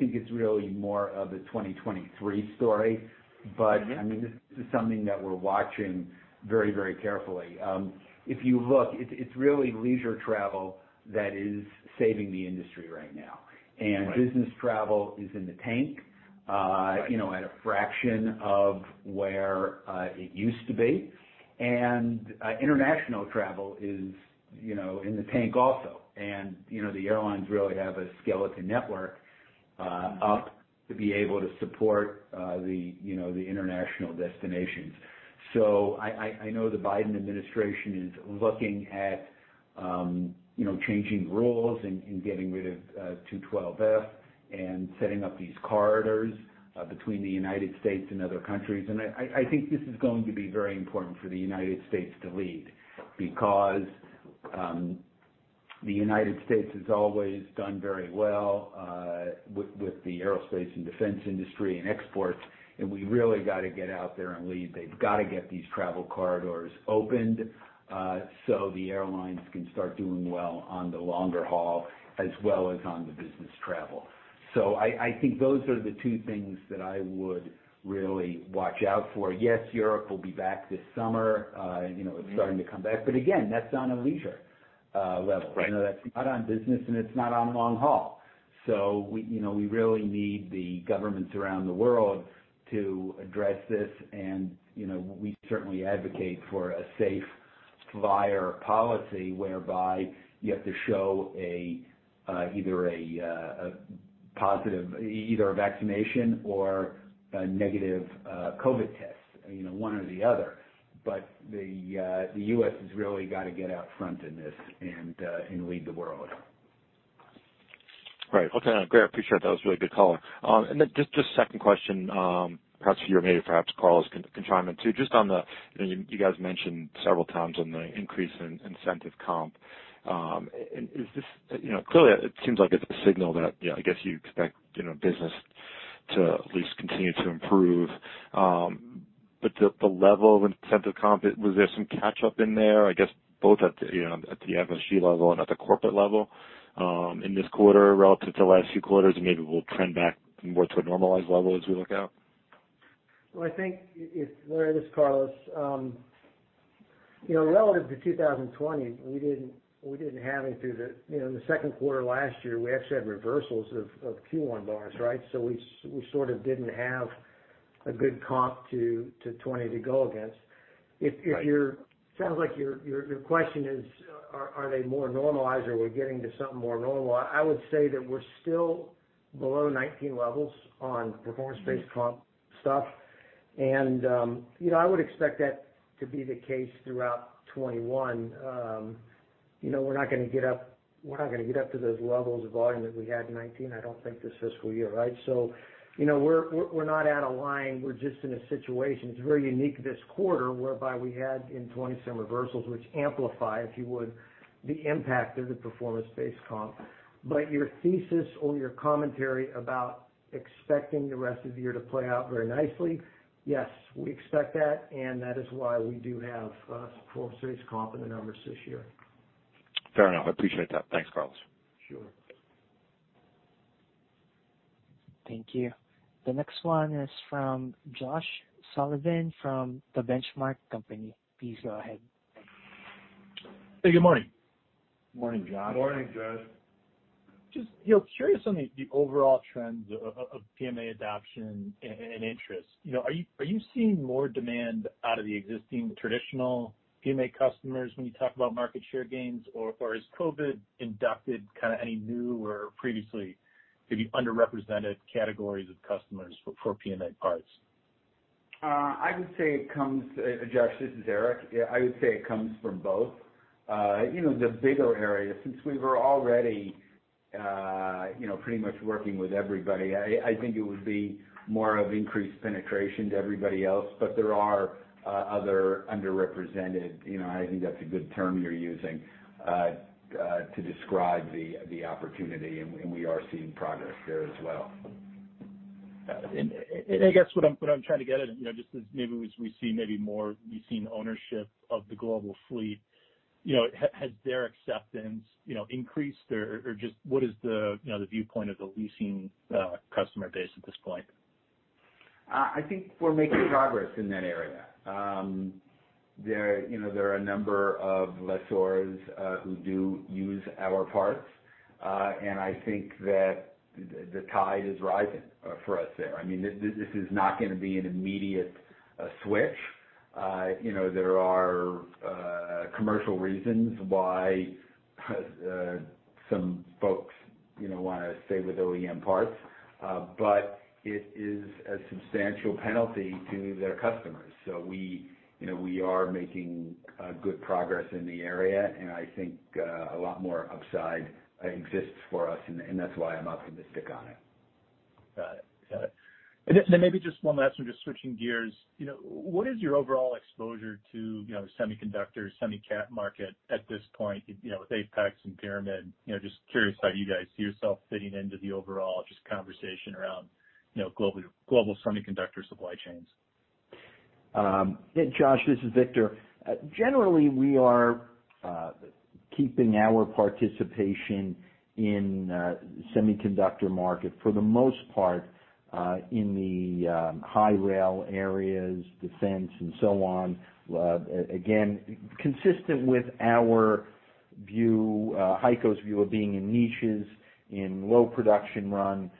think it's really more of a 2023 story. This is something that we're watching very carefully. If you look, it's really leisure travel that is saving the industry right now. Right. Business travel is in the tank at a fraction of where it used to be. International travel is in the tank also. The airlines really have a skeleton network up to be able to support the international destinations. I know the Biden administration is looking at changing rules and getting rid of 212(f) and setting up these corridors between the U.S. and other countries. I think this is going to be very important for the U.S. to lead because the U.S. has always done very well with the aerospace and defense industry and exports, and we really got to get out there and lead. They've got to get these travel corridors opened so the airlines can start doing well on the longer haul as well as on the business travel. I think those are the two things that I would really watch out for. Yes, Europe will be back this summer. It's starting to come back. Again, that's on a leisure level. Right. That's not on business, and it's not on long haul. We really need the governments around the world to address this, and we certainly advocate for a safe flyer policy whereby you have to show either a vaccination or a negative COVID test, one or the other. The U.S. has really got to get out front in this and lead the world. Right. Okay. Great. Appreciate it. That was a really good call. Just a second question, perhaps for you, maybe perhaps Carlos can chime in, too. You guys mentioned several times on the increase in incentive comp. Clearly, it seems like it's a signal that I guess you expect business to at least continue to improve. The level of incentive comp, was there some catch-up in there, I guess both at the FSG level and at the corporate level in this quarter relative to the last few quarters? Maybe we'll trend back more to normalized levels as we look out? Well, I think it's Larry, it's Carlos. Relative to 2020, we didn't have any through the second quarter last year. We actually had reversals of Q1 bonus, right? A good comp to 2020 to go against. Right. It sounds like your question is, are they more normalized or we're getting to something more normal? I would say that we're still below 2019 levels on performance-based comp stuff. I would expect that to be the case throughout 2021. We're not going to get up to those levels of volume that we had in 2019, I don't think, this fiscal year, right? We're not out of line. We're just in a situation. It's very unique this quarter, whereby we had in 2020 some reversals, which amplify, if you would, the impact of the performance-based comp. Your thesis or your commentary about expecting the rest of the year to play out very nicely, yes, we expect that, and that is why we do have performance-based comp in the numbers this year. Fair enough. I appreciate that. Thanks, Carlos. Sure. Thank you. The next one is from Josh Sullivan from The Benchmark Company. Please go ahead. Hey, good morning. Morning, Josh. Morning, Josh. Just curious on the overall trends of PMA adoption and interest. Are you seeing more demand out of the existing traditional PMA customers when you talk about market share gains? Or has COVID-19 inducted kind of any new or previously maybe underrepresented categories of customers for PMA parts? Josh Sullivan, this is Eric A. Mendelson. I would say it comes from both. The bigger area, since we were already pretty much working with everybody, I think it would be more of increased penetration to everybody else. There are other underrepresented, I think that's a good term you're using to describe the opportunity, and we are seeing progress there as well. I guess what I'm trying to get at, just as maybe we see more leasing ownership of the global fleet, has their acceptance increased? Just what is the viewpoint of the leasing customer base at this point? I think we're making progress in that area. There are a number of lessors who do use our parts. I think that the tide is rising for us there. This is not going to be an immediate switch. There are commercial reasons why some folks want to stay with OEM parts. It is a substantial penalty to their customers. We are making good progress in the area, and I think a lot more upside exists for us, and that's why I'm optimistic on it. Got it. Maybe just one last one, just switching gears. What is your overall exposure to the semiconductor, semi-cap market at this point with Apex and Pyramid? Just curious how you guys see yourself fitting into the overall just conversation around global semiconductor supply chains. Josh, this is Victor. Generally, we are keeping our participation in semiconductor market, for the most part, in the high-rel areas, defense, and so on. Again, consistent with our view, HEICO's view of being in niches, in low production run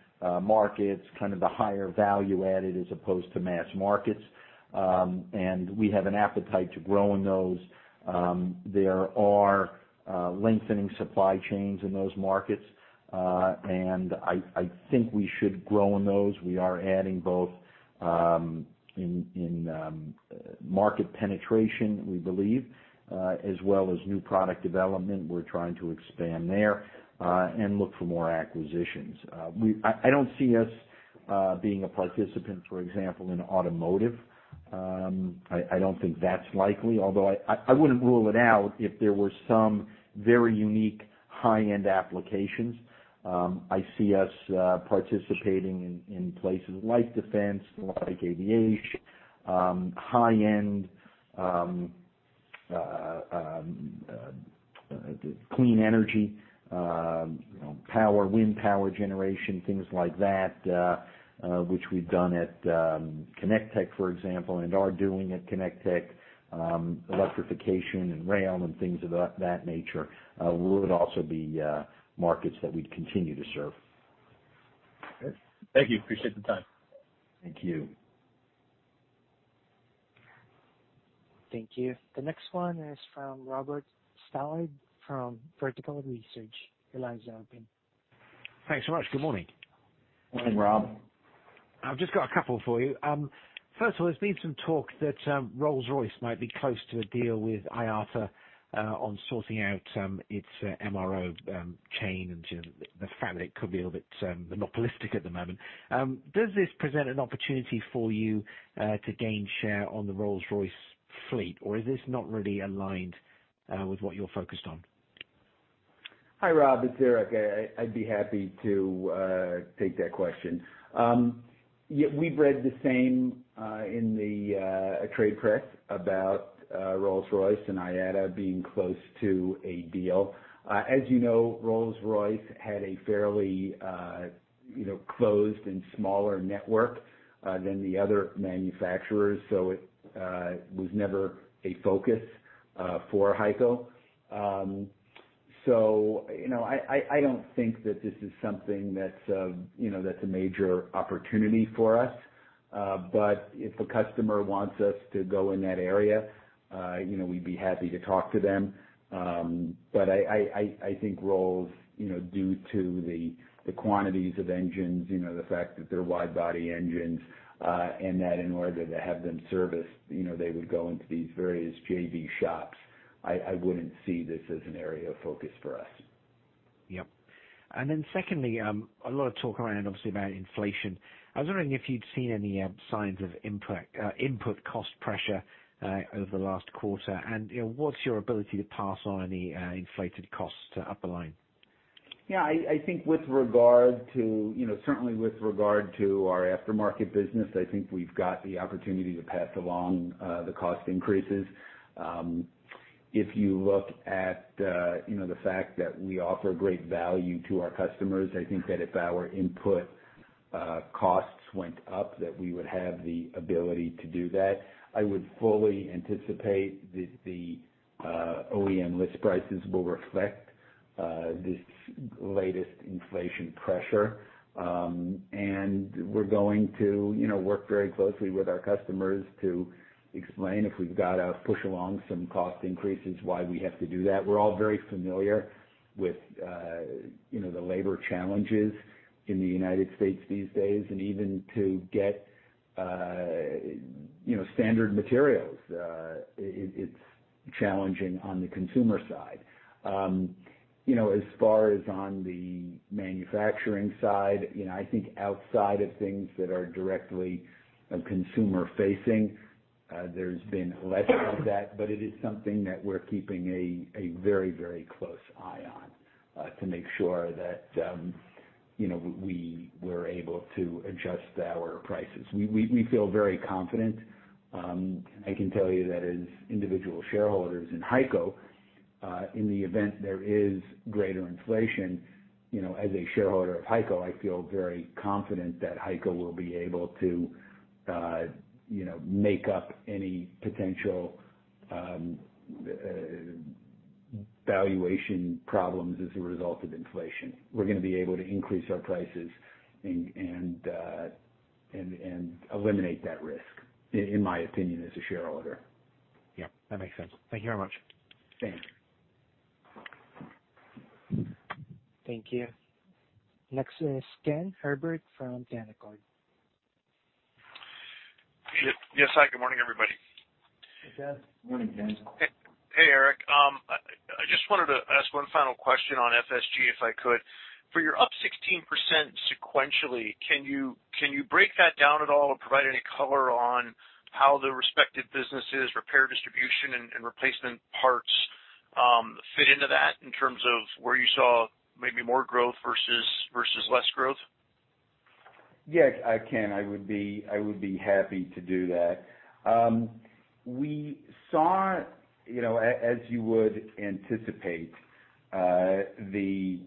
markets, kind of the higher value added as opposed to mass markets. We have an appetite to grow in those. There are lengthening supply chains in those markets. I think we should grow in those. We are adding both in market penetration, we believe, as well as new product development. We're trying to expand there and look for more acquisitions. I don't see us being a participant, for example, in automotive. I don't think that's likely, although I wouldn't rule it out if there were some very unique high-end applications. I see us participating in places like defense, like aviation, high-end clean energy, power, wind power generation, things like that, which we've done at Connect Tech, for example, and are doing at Connect Tech. Electrification and rail and things of that nature would also be markets that we'd continue to serve. Okay. Thank you. Appreciate the time. Thank you. Thank you. The next one is from Robert Stallard from Vertical Research. Your line's open. Thanks so much. Good morning. Morning, Rob. I've just got a couple for you. First of all, there's been some talk that Rolls-Royce might be close to a deal with IATA on sorting out its MRO chain and the fact that it could be a bit monopolistic at the moment. Does this present an opportunity for you to gain share on the Rolls-Royce fleet, or is this not really aligned with what you're focused on? Hi, Rob. It's Eric. I'd be happy to take that question. We've read the same in the trade press about Rolls-Royce and IATA being close to a deal. As you know, Rolls-Royce had a fairly closed and smaller network than the other manufacturers. It was never a focus for HEICO. I don't think that this is something that's a major opportunity for us. If a customer wants us to go in that area, we'd be happy to talk to them. I think Rolls, due to the quantities of engines, the fact that they're wide-body engines, and that in order to have them serviced, they would go into these various JV shops. I wouldn't see this as an area of focus for us. Yep. Secondly, a lot of talk around, obviously, about inflation. I was wondering if you'd seen any signs of input cost pressure over the last quarter, and what's your ability to pass on any inflated costs to upper line? Yeah, I think certainly with regard to our aftermarket business, I think we've got the opportunity to pass along the cost increases. If you look at the fact that we offer great value to our customers, I think that if our input costs went up, that we would have the ability to do that. I would fully anticipate that the OEM list prices will reflect this latest inflation pressure. We're going to work very closely with our customers to explain if we've got to push along some cost increases, why we have to do that. We're all very familiar with the labor challenges in the United States these days. Even to get standard materials, it's challenging on the consumer side. As far as on the manufacturing side, I think outside of things that are directly consumer-facing, there's been less of that, but it is something that we're keeping a very close eye on to make sure that we're able to adjust our prices. We feel very confident. I can tell you that as individual shareholders in HEICO, in the event there is greater inflation, as a shareholder of HEICO, I feel very confident that HEICO will be able to make up any potential valuation problems as a result of inflation. We're going to be able to increase our prices and eliminate that risk, in my opinion, as a shareholder. Yeah, that makes sense. Thank you very much. Thanks. Thank you. Next is Ken Herbert from Canaccord. Yes. Good morning, everybody. Good morning, Ken. Hey, Eric. I just wanted to ask one final question on FSG, if I could. For your up 16% sequentially, can you break that down at all or provide any color on how the respective businesses repair distribution and replacement parts fit into that in terms of where you saw maybe more growth versus less growth? Yes, I can. I would be happy to do that. We saw, as you would anticipate, the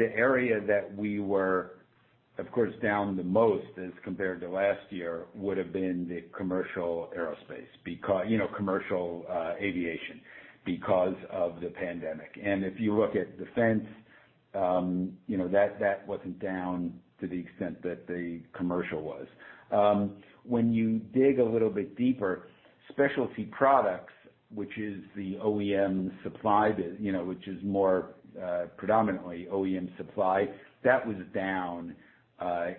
area that we were, of course, down the most as compared to last year would've been the commercial aerospace, commercial aviation because of the pandemic. If you look at defense, that wasn't down to the extent that the commercial was. When you dig a little bit deeper, specialty products, which is more predominantly OEM supply, that was down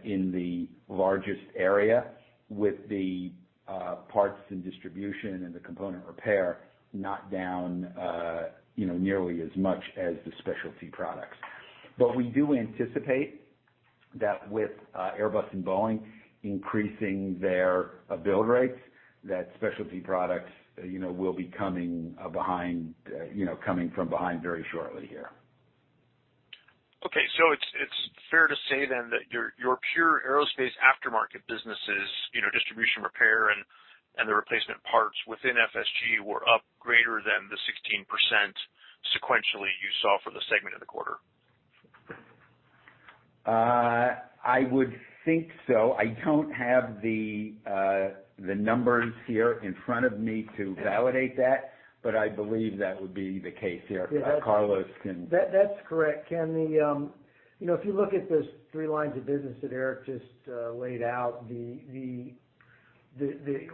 in the largest area with the parts and distribution and the component repair not down nearly as much as the specialty products. We do anticipate that with Airbus and Boeing increasing their build rates, that specialty products will be coming from behind very shortly here. Okay. It's fair to say then that your pure aerospace aftermarket businesses, distribution repair and the replacement parts within FSG were up greater than the 16% sequentially you saw for the segment of the quarter? I would think so. I don't have the numbers here in front of me to validate that, but I believe that would be the case here. That's correct, Ken. If you look at those three lines of business that Eric just laid out, the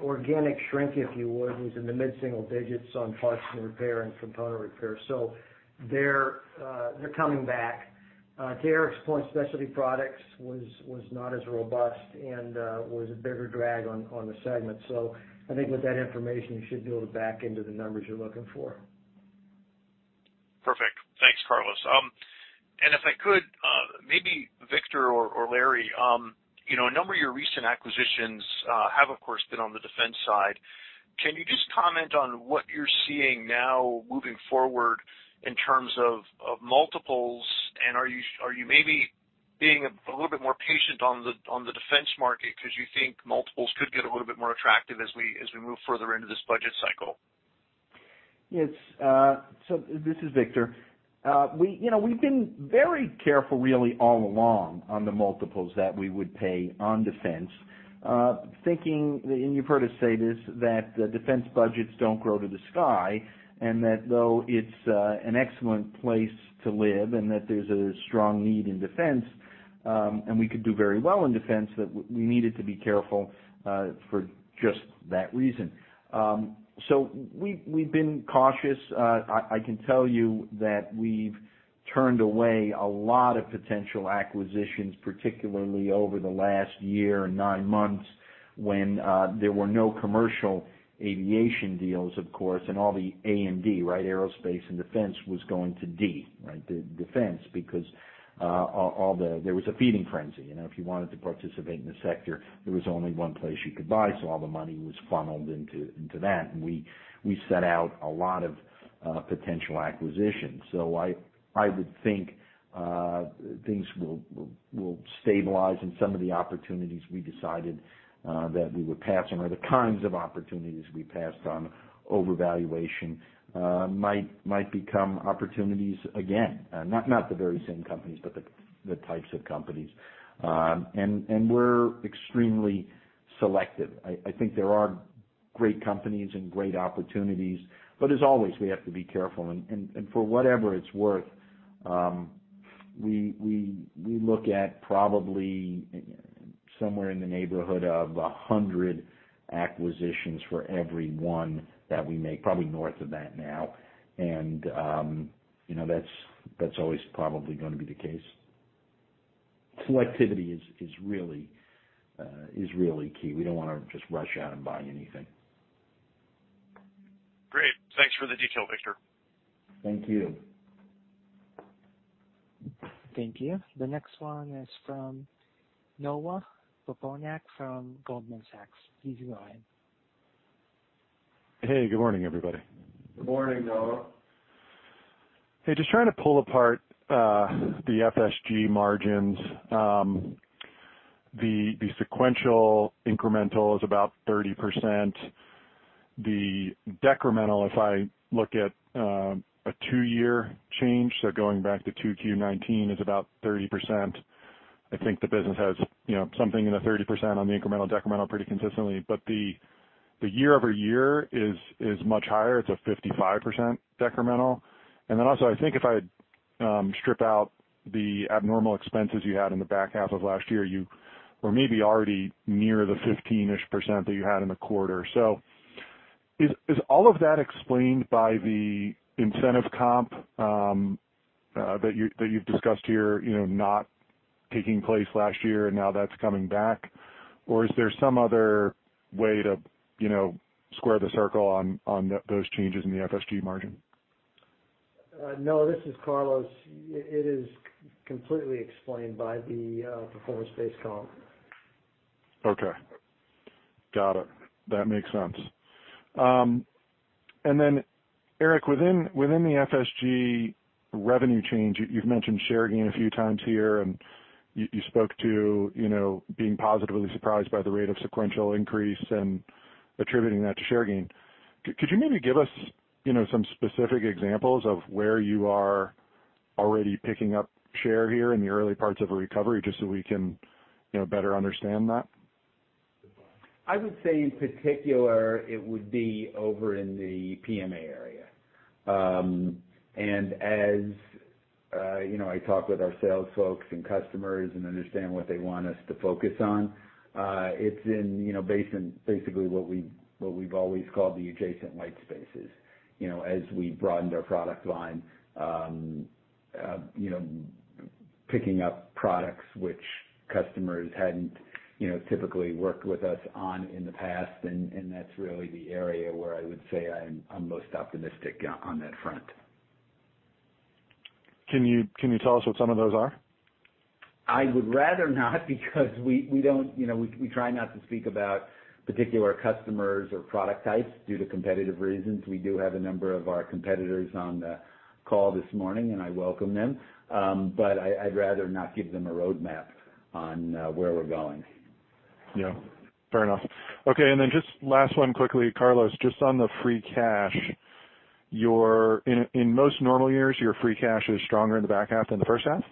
organic shrink, if you would, was in the mid-single digits on parts and repair and component repair. They're coming back. To Eric's point, specialty products was not as robust and was a bigger drag on the segment. I think with that information, you should be able to back into the numbers you're looking for. Perfect. Thanks, Carlos. If I could, maybe Victor or Larry, a number of your recent acquisitions have, of course, been on the defense side. Can you just comment on what you're seeing now moving forward in terms of multiples, and are you maybe being a little bit more patient on the defense market because you think multiples could get a little bit more attractive as we move further into this budget cycle? Yes. This is Victor. We've been very careful really all along on the multiples that we would pay on defense. Thinking, and you've heard us say this, that defense budgets don't grow to the sky, and that though it's an excellent place to live and that there's a strong need in defense. We could do very well in defense, but we needed to be careful for just that reason. We've been cautious. I can tell you that we've turned away a lot of potential acquisitions, particularly over the last year or nine months, when there were no commercial aviation deals, of course, and all the A&D, aerospace and defense, was going to D, defense, because there was a feeding frenzy. If you wanted to participate in the sector, there was only one place you could buy, so all the money was funneled into that. We set out a lot of potential acquisitions. I would think things will stabilize, and some of the opportunities we decided that we would pass on, or the kinds of opportunities we passed on overvaluation, might become opportunities again. Not the very same companies, but the types of companies. We're extremely selective. I think there are great companies and great opportunities, but as always, we have to be careful. For whatever it's worth, we look at probably somewhere in the neighborhood of 100 acquisitions for every one that we make, probably north of that now. That's always probably going to be the case. Selectivity is really key. We don't want to just rush out and buy anything. Great. Thanks for the detail, Victor. Thank you. Thank you. The next one is from Noah Poponak from Goldman Sachs. He's the line. Hey, good morning, everybody. Good morning, Noah. Hey, just trying to pull apart the FSG margins. The sequential incremental is about 30%. The decremental, if I look at a two-year change, so going back to 2Q19, is about 30%. I think the business has something in the 30% on the incremental decremental pretty consistently. The year-over-year is much higher. It's a 55% decremental. I think if I strip out the abnormal expenses you had in the back half of last year, you were maybe already near the 15-ish% that you had in the quarter. Is all of that explained by the incentive comp that you've discussed here not taking place last year, and now that's coming back? Is there some other way to square the circle on those changes in the FSG margin? Noah, this is Carlos. It is completely explained by the performance-based comp. Okay. Got it. That makes sense. Eric, within the FSG revenue change, you've mentioned share gain a few times here, and you spoke to being positively surprised by the rate of sequential increase and attributing that to share gain. Could you maybe give us some specific examples of where you are already picking up share here in the early parts of a recovery, just so we can better understand that? I would say in particular, it would be over in the PMA area. As I talk with our sales folks and customers and understand what they want us to focus on, it's in basically what we've always called the adjacent white spaces as we broaden our product line, picking up products which customers hadn't typically worked with us on in the past. That's really the area where I would say I'm most optimistic on that front. Can you tell us what some of those are? I would rather not because we try not to speak about particular customers or product types due to competitive reasons. We do have a number of our competitors on the call this morning, and I welcome them, but I'd rather not give them a roadmap on where we're going. Yeah, fair enough. Okay, just last one quickly, Carlos, just on the free cash. In most normal years, your free cash is stronger in the back half than the first half.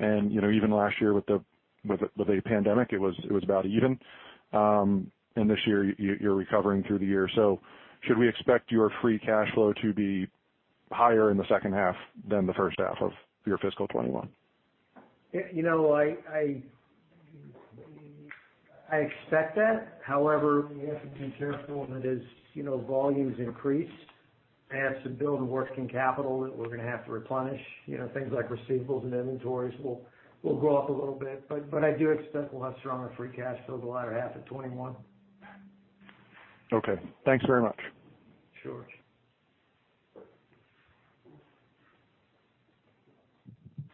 Even last year with a pandemic, it was about even. This year, you're recovering through the year. Should we expect your free cash flow to be higher in the second half than the first half of your fiscal 2021? I expect that. However, we have to be careful that as volumes increase, as to build working capital that we're going to have to replenish, things like receivables and inventories will go up a little bit. I do expect a lot stronger free cash flow the latter half of 2021. Okay. Thanks very much. Sure.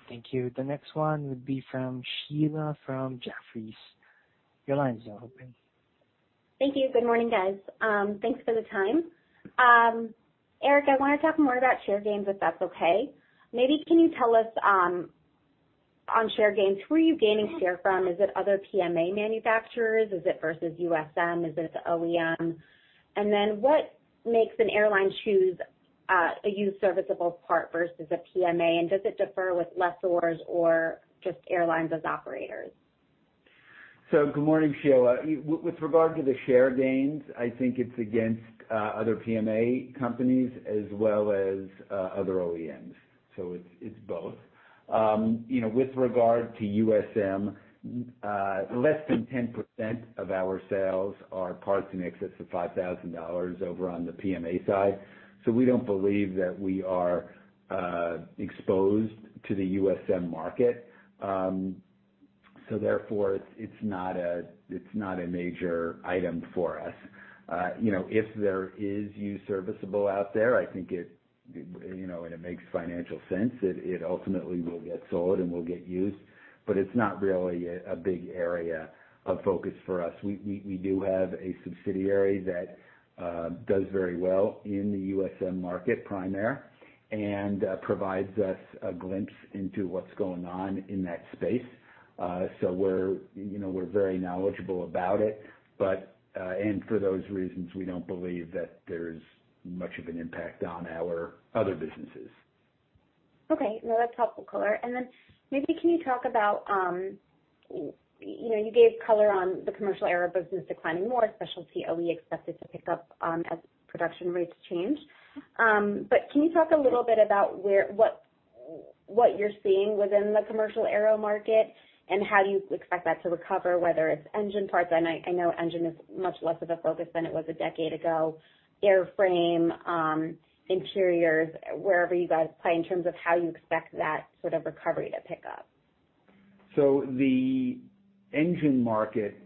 Thank you. The next one would be from Sheila from Jefferies. Your line's now open. Thank you. Good morning, guys. Thanks for the time. Eric, I want to talk more about share gains, if that's okay. Maybe can you tell us on share gains, who are you gaining share from? Is it other PMA manufacturers? Is it versus USM? Is it OEM? What makes an airline choose a used serviceable part versus a PMA? Does it differ with lessors or just airlines as operators? Good morning, Sheila. With regard to the share gains, I think it's against other PMA companies as well as other OEMs. It's both. With regard to USM, less than 10% of our sales are parts in excess of $5,000 over on the PMA side. We don't believe that we are exposed to the USM market. Therefore, it's not a major item for us. If there is used serviceable out there, and it makes financial sense, it ultimately will get sold and will get used, but it's not really a big area of focus for us. We do have a subsidiary that does very well in the USM market, Prime Air, and provides us a glimpse into what's going on in that space. We're very knowledgeable about it, and for those reasons, we don't believe that there's much of an impact on our other businesses. Okay. No, that's helpful color. Maybe can you talk about, you gave color on the commercial aero business declining more, specialty OE expected to pick up as production rates change. Can you talk a little bit about what you're seeing within the commercial aero market, and how do you expect that to recover, whether it's engine parts? I know engine is much less of a focus than it was a decade ago. Airframe, interiors, wherever you guys play in terms of how you expect that sort of recovery to pick up. The engine market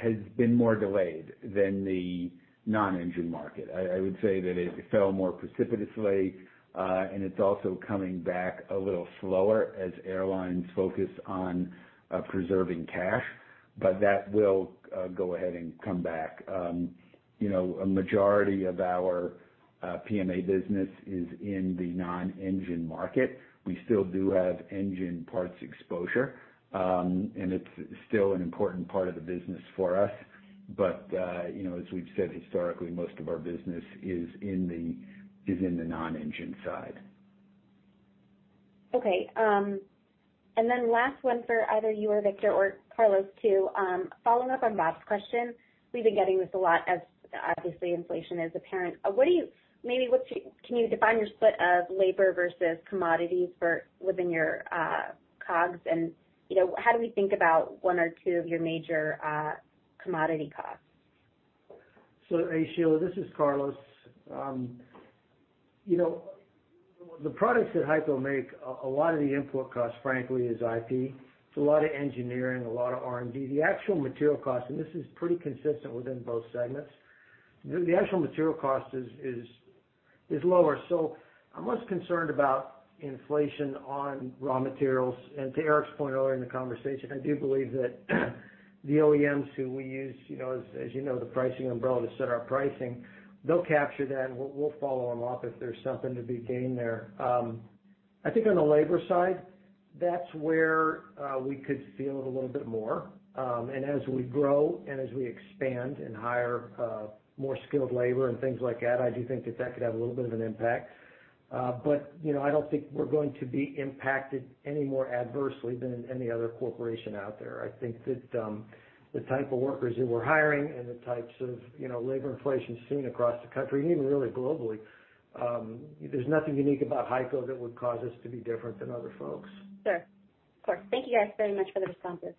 has been more delayed than the non-engine market. I would say that it fell more precipitously, and it's also coming back a little slower as airlines focus on preserving cash. That will go ahead and come back. A majority of our PMA business is in the non-engine market. We still do have engine parts exposure, and it's still an important part of the business for us. As we've said historically, most of our business is in the non-engine side. Okay. Last one for either you or Victor or Carlos, too. Following up on Bob's question, we've been getting this a lot as obviously inflation is apparent. Can you define your split of labor versus commodities within your COGS and how do we think about one or two of your major commodity costs? Hey, Sheila, this is Carlos. The products that HEICO make, a lot of the input cost, frankly, is IP. It's a lot of engineering, a lot of R&D. The actual material cost, this is pretty consistent within both segments. The actual material cost is lower. I'm less concerned about inflation on raw materials. To Eric's point earlier in the conversation, I do believe that the OEMs who we use, as you know, the pricing umbrella to set our pricing, they'll capture that, and we'll follow them up if there's something to be gained there. I think on the labor side, that's where we could feel it a little bit more. As we grow and as we expand and hire more skilled labor and things like that, I do think that that could have a little bit of an impact. I don't think we're going to be impacted any more adversely than any other corporation out there. I think that the type of workers that we're hiring and the types of labor inflation seen across the country and even really globally, there's nothing unique about HEICO that would cause us to be different than other folks. Sure. Of course. Thank you guys very much for the responses.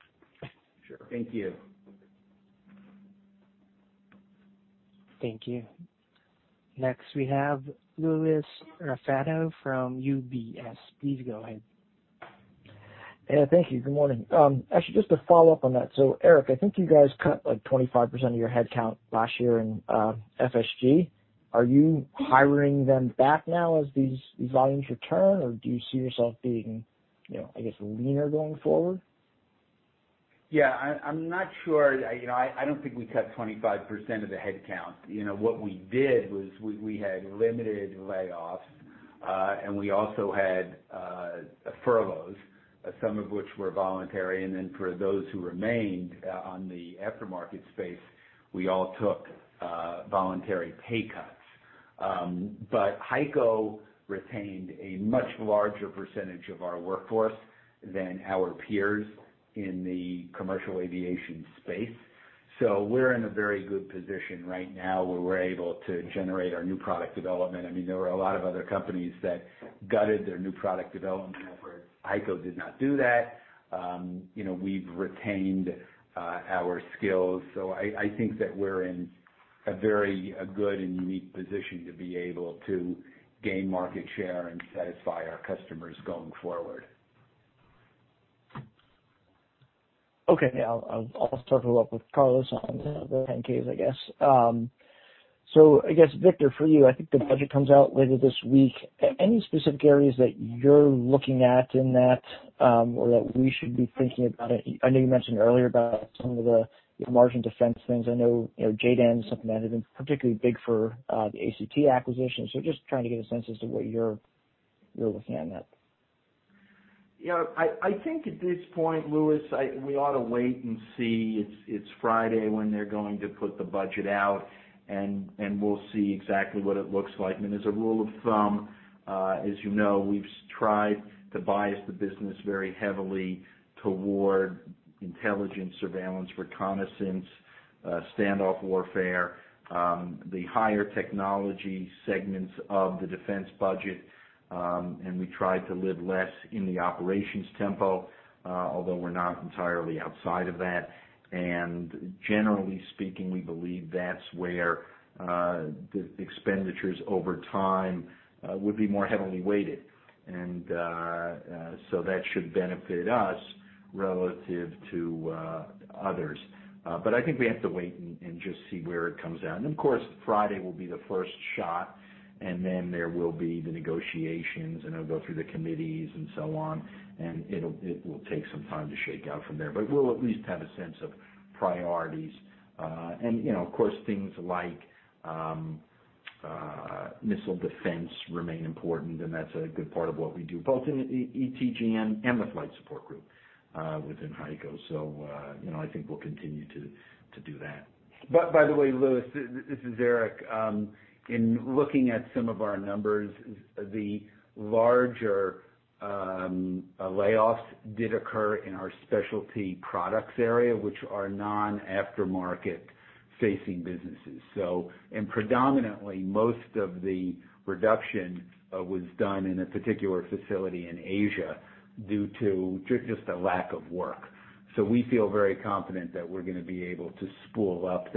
Sure. Thank you. Thank you. Next we have Louis Raffetto from UBS. Please go ahead. Yeah, thank you. Good morning. Actually, just to follow up on that. Eric, I think you guys cut like 25% of your headcount last year in FSG. Are you hiring them back now as these volumes return, or do you see yourself being, I guess, leaner going forward? Yeah, I'm not sure. I don't think we cut 25% of the headcount. What we did was we had limited layoffs, and we also had furloughs, some of which were voluntary. For those who remained on the aftermarket space, we all took voluntary pay cuts. HEICO retained a much larger percentage of our workforce than our peers in the commercial aviation space. We're in a very good position right now where we're able to generate our new product development. There were a lot of other companies that gutted their new product development efforts. HEICO did not do that. We've retained our skills. I think that we're in a very good and unique position to be able to gain market share and satisfy our customers going forward. Okay. Yeah. I'll start it up with Carlos on the 10-Ks, I guess. I guess, Victor, for you, I think the budget comes out later this week. Any specific areas that you're looking at in that, or that we should be thinking about it? I know you mentioned earlier about some of the margin defense things. I know JDAM is something that has been particularly big for the ACT acquisition. Just trying to get a sense as to what you're looking at in that. I think at this point, Louis, we ought to wait and see. It's Friday when they're going to put the budget out, and we'll see exactly what it looks like. As a rule of thumb, as you know, we've tried to bias the business very heavily toward intelligence, surveillance, reconnaissance standoff warfare, the higher technology segments of the defense budget, and we tried to live less in the operations tempo, although we're not entirely outside of that. Generally speaking, we believe that's where the expenditures over time would be more heavily weighted. That should benefit us relative to others. I think we have to wait and just see where it comes out. Of course, Friday will be the first shot, and then there will be the negotiations, and it'll go through the committees and so on, and it will take some time to shake out from there. We'll at least have a sense of priorities. Of course, things like missile defense remain important, and that's a good part of what we do, both in ETG and the Flight Support Group within HEICO. I think we'll continue to do that. By the way, Louis, this is Eric. In looking at some of our numbers, the larger layoffs did occur in our specialty products area, which are non-aftermarket facing businesses. Predominantly, most of the reduction was done in a particular facility in Asia due to just a lack of work. We feel very confident that we're going to be able to spool up.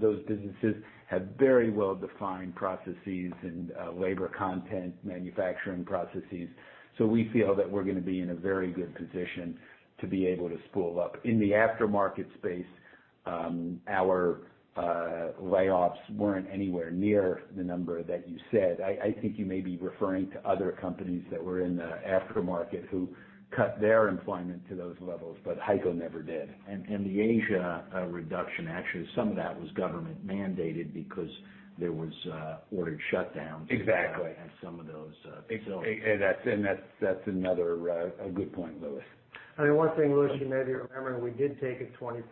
Those businesses have very well-defined processes and labor content manufacturing processes. We feel that we're going to be in a very good position to be able to spool up. In the aftermarket space, our layoffs weren't anywhere near the number that you said. I think you may be referring to other companies that were in the aftermarket who cut their employment to those levels, but HEICO never did. The Asia reduction, actually, some of that was government mandated because there were ordered shutdowns. Exactly at some of those. That's another good point, Louis. One thing, Louis, you maybe remember, we did take a 20%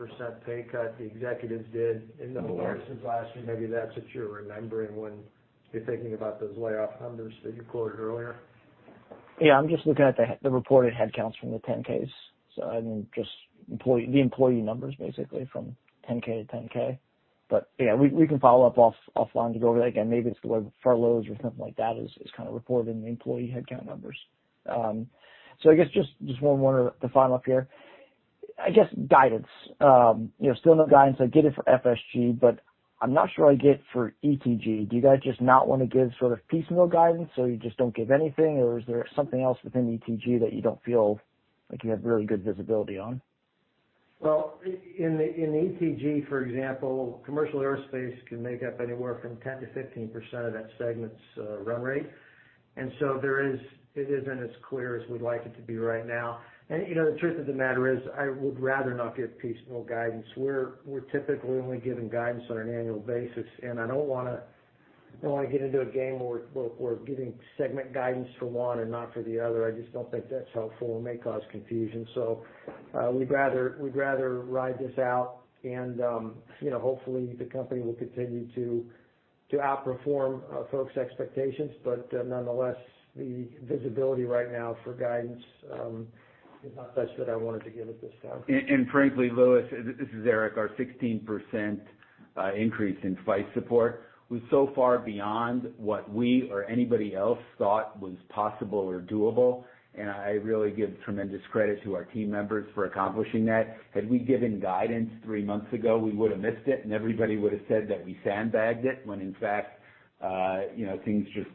pay cut, the executives did, in the fall last year. Maybe that's what you're remembering when you're thinking about those layoff numbers that you quoted earlier. I'm just looking at the reported headcounts from the 10-Ks. I mean, just the employee numbers basically from 10-K to 10-K. We can follow up offline to go over that again. Maybe it's the way furloughs or something like that is kind of reported in the employee headcount numbers. I guess just one more to follow up here. I guess, guidance. Still no guidance I get it for FSG, but I'm not sure I get for ETG. Do you guys just not want to give piecemeal guidance, so you just don't give anything? Is there something else within ETG that you don't feel like you have really good visibility on? Well, in ETG, for example, commercial aerospace can make up anywhere from 10%-15% of that segment's run rate. It isn't as clear as we'd like it to be right now. The truth of the matter is, I would rather not give piecemeal guidance. We're typically only giving guidance on an annual basis, and I don't want to get into a game where we're giving segment guidance for one and not for the other. I just don't think that's helpful and may cause confusion. We'd rather ride this out, and hopefully, the company will continue to outperform folks' expectations. Nonetheless, the visibility right now for guidance is not such that I wanted to give it this time. Frankly, Louis Raffetto, this is Eric A. Mendelson, our 16% increase in Flight Support Group was so far beyond what we or anybody else thought was possible or doable. I really give tremendous credit to our team members for accomplishing that. Had we given guidance three months ago, we would've missed it, and everybody would've said that we sandbagged it, when in fact things just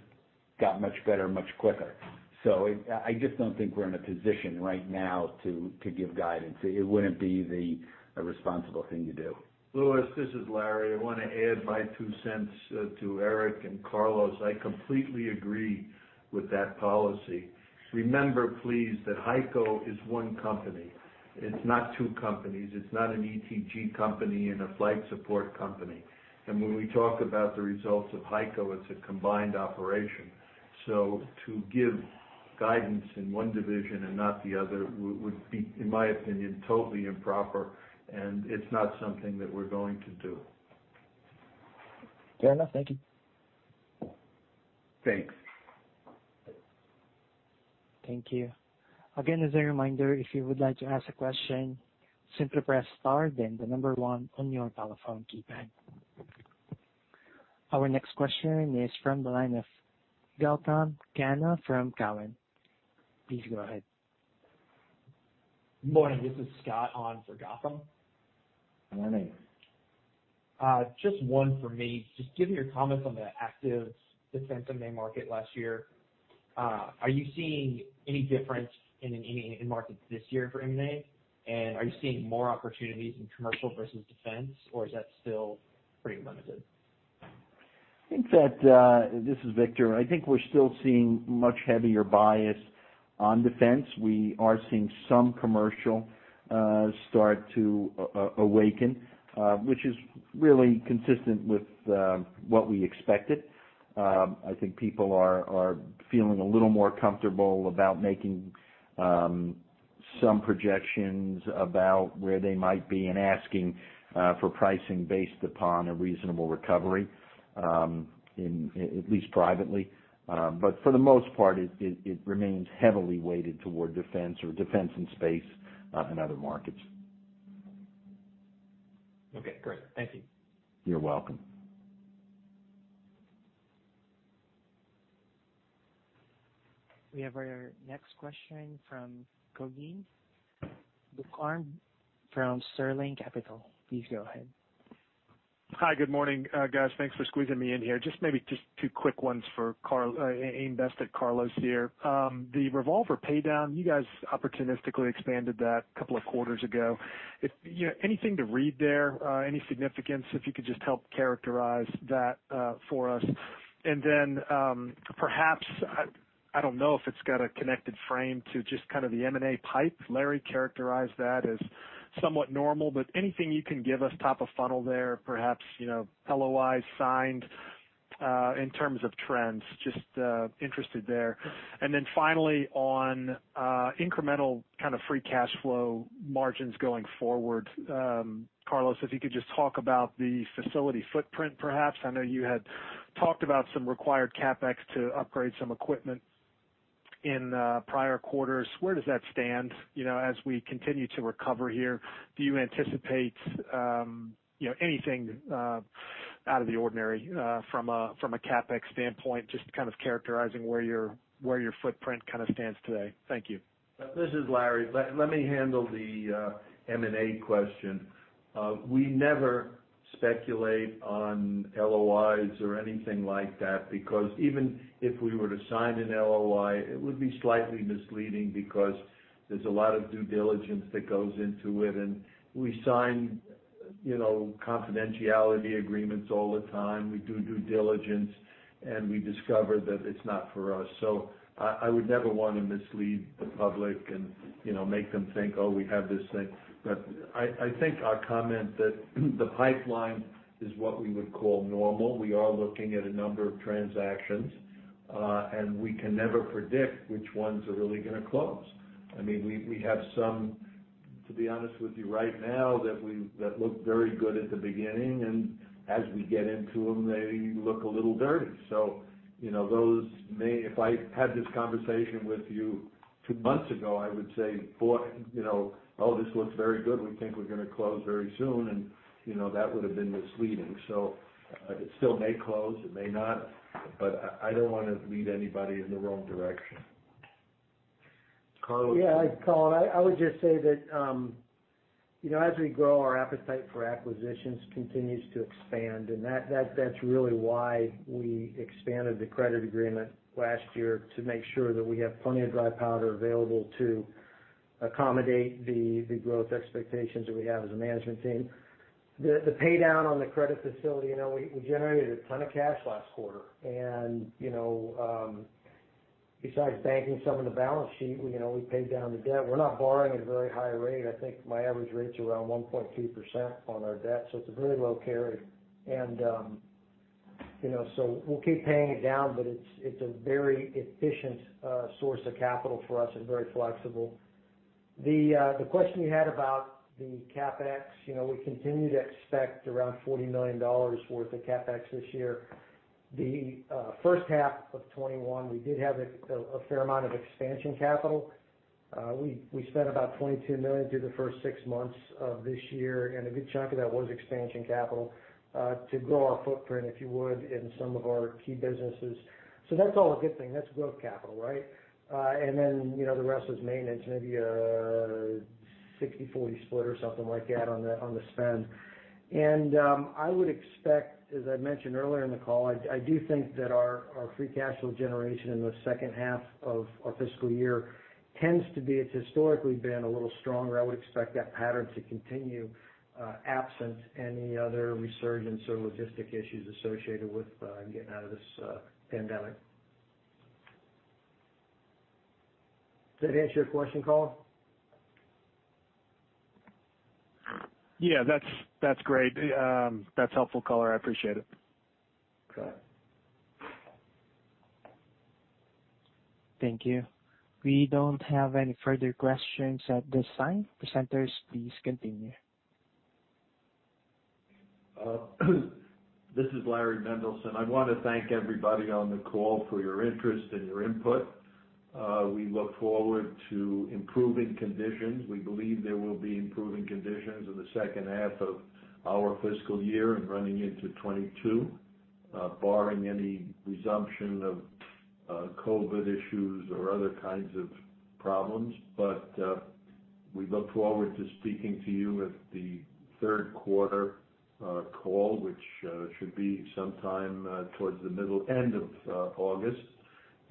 got much better, much quicker. I just don't think we're in a position right now to give guidance. It wouldn't be the responsible thing to do. Louis, this is Laurans. I want to add my two cents to Eric and Carlos. I completely agree with that policy. Remember, please, that HEICO is one company. It's not two companies. It's not an ETG company and a Flight Support company. When we talk about the results of HEICO, it's a combined operation. To give guidance in one division and not the other would be, in my opinion, totally improper, and it's not something that we're going to do. Fair enough. Thank you. Thanks. Thank you. Again, as a reminder, if you would like to ask a question, simply press star, then the number 1 on your telephone keypad. Our next question is from the line of Gautam Khanna from Cowen. Please go ahead. Morning, this is Scott on for Gautam. Morning. Just one for me. Just given your comments on the active defense M&A market last year, are you seeing any difference in markets this year for M&A? Are you seeing more opportunities in commercial versus defense, or is that still pretty limited? This is Victor. I think we're still seeing much heavier bias on defense. We are seeing some commercial start to awaken, which is really consistent with what we expected. I think people are feeling a little more comfortable about making some projections about where they might be and asking for pricing based upon a reasonable recovery, at least privately. For the most part, it remains heavily weighted toward defense or defense in space and other markets. Okay, great. Thank you. You're welcome. We have our next question from Colin Bucan from Sterling Capital. Please go ahead. Hi. Good morning, guys. Thanks for squeezing me in here. Just maybe just two quick ones aimed best at Carlos here. The revolver pay down, you guys opportunistically expanded that a couple of quarters ago. Anything to read there? Any significance? If you could just help characterize that for us. Perhaps, I don't know if it's got a connected frame to just kind of the M&A pipe. Larry characterized that as somewhat normal. Anything you can give us top of funnel there, perhaps, LOIs signed, in terms of trends. Just interested there. Finally, on incremental kind of free cash flow margins going forward. Carlos, if you could just talk about the facility footprint, perhaps. I know you had talked about some required CapEx to upgrade some equipment in prior quarters. Where does that stand as we continue to recover here? Do you anticipate anything out of the ordinary from a CapEx standpoint, just kind of characterizing where your footprint kind of stands today? Thank you. This is Laurans. Let me handle the M&A question. We never speculate on LOIs or anything like that because even if we were to sign an LOI, it would be slightly misleading because there's a lot of due diligence that goes into it. We sign confidentiality agreements all the time. We do due diligence, and we discover that it's not for us. I would never want to mislead the public and make them think, oh, we have this thing. I think I comment that the pipeline is what we would call normal. We are looking at a number of transactions, and we can never predict which ones are really going to close. We have some, to be honest with you, right now that looked very good at the beginning, and as we get into them, they look a little dirty. If I had this conversation with you two months ago, I would say, "Boy, oh, this looks very good. We think we're going to close very soon." That would've been misleading. It still may close. It may not. I don't want to lead anybody in the wrong direction. Carlos? Yeah. Colin, I would just say that as we grow, our appetite for acquisitions continues to expand, and that's really why we expanded the credit agreement last year to make sure that we have plenty of dry powder available to accommodate the growth expectations that we have as a management team. The pay down on the credit facility, we generated a ton of cash last quarter and besides banking some of the balance sheet, we paid down the debt. We're not borrowing at a very high rate. I think my average rate's around 1.2% on our debt, so it's a very low carry. We'll keep paying it down, but it's a very efficient source of capital for us and very flexible. The question you had about the CapEx, we continue to expect around $40 million worth of CapEx this year. The first half of 2021, we did have a fair amount of expansion capital. We spent about $22 million through the first six months of this year. A good chunk of that was expansion capital to grow our footprint, if you would, in some of our key businesses. That's all a good thing. That's growth capital, right? The rest was maintenance, maybe a 60/40 split or something like that on the spend. I would expect, as I mentioned earlier in the call, I do think that our free cash flow generation in the second half of our fiscal year, it's historically been a little stronger. I would expect that pattern to continue absent any other resurgence or logistic issues associated with getting out of this pandemic. Does that answer your question, Colin? Yeah. That's great. That's helpful, Colin. I appreciate it. Okay. Thank you. We don't have any further questions at this time. Presenters, please continue. This is Laurans Mendelson. I want to thank everybody on the call for your interest and your input. We look forward to improving conditions. We believe there will be improving conditions in the second half of our fiscal year and running into 2022, barring any resumption of COVID-19 issues or other kinds of problems. We look forward to speaking to you at the third quarter call, which should be sometime towards the end of August.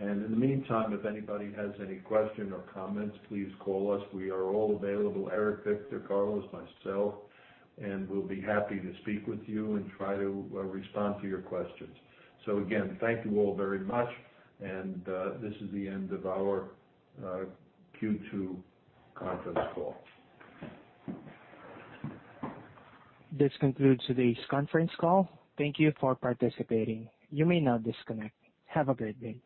In the meantime, if anybody has any question or comments, please call us. We are all available, Eric, Victor, Carlos, myself, and we'll be happy to speak with you and try to respond to your questions. Again, thank you all very much. This is the end of our Q2 conference call. This concludes today's conference call. Thank you for participating. You may now disconnect. Have a great day.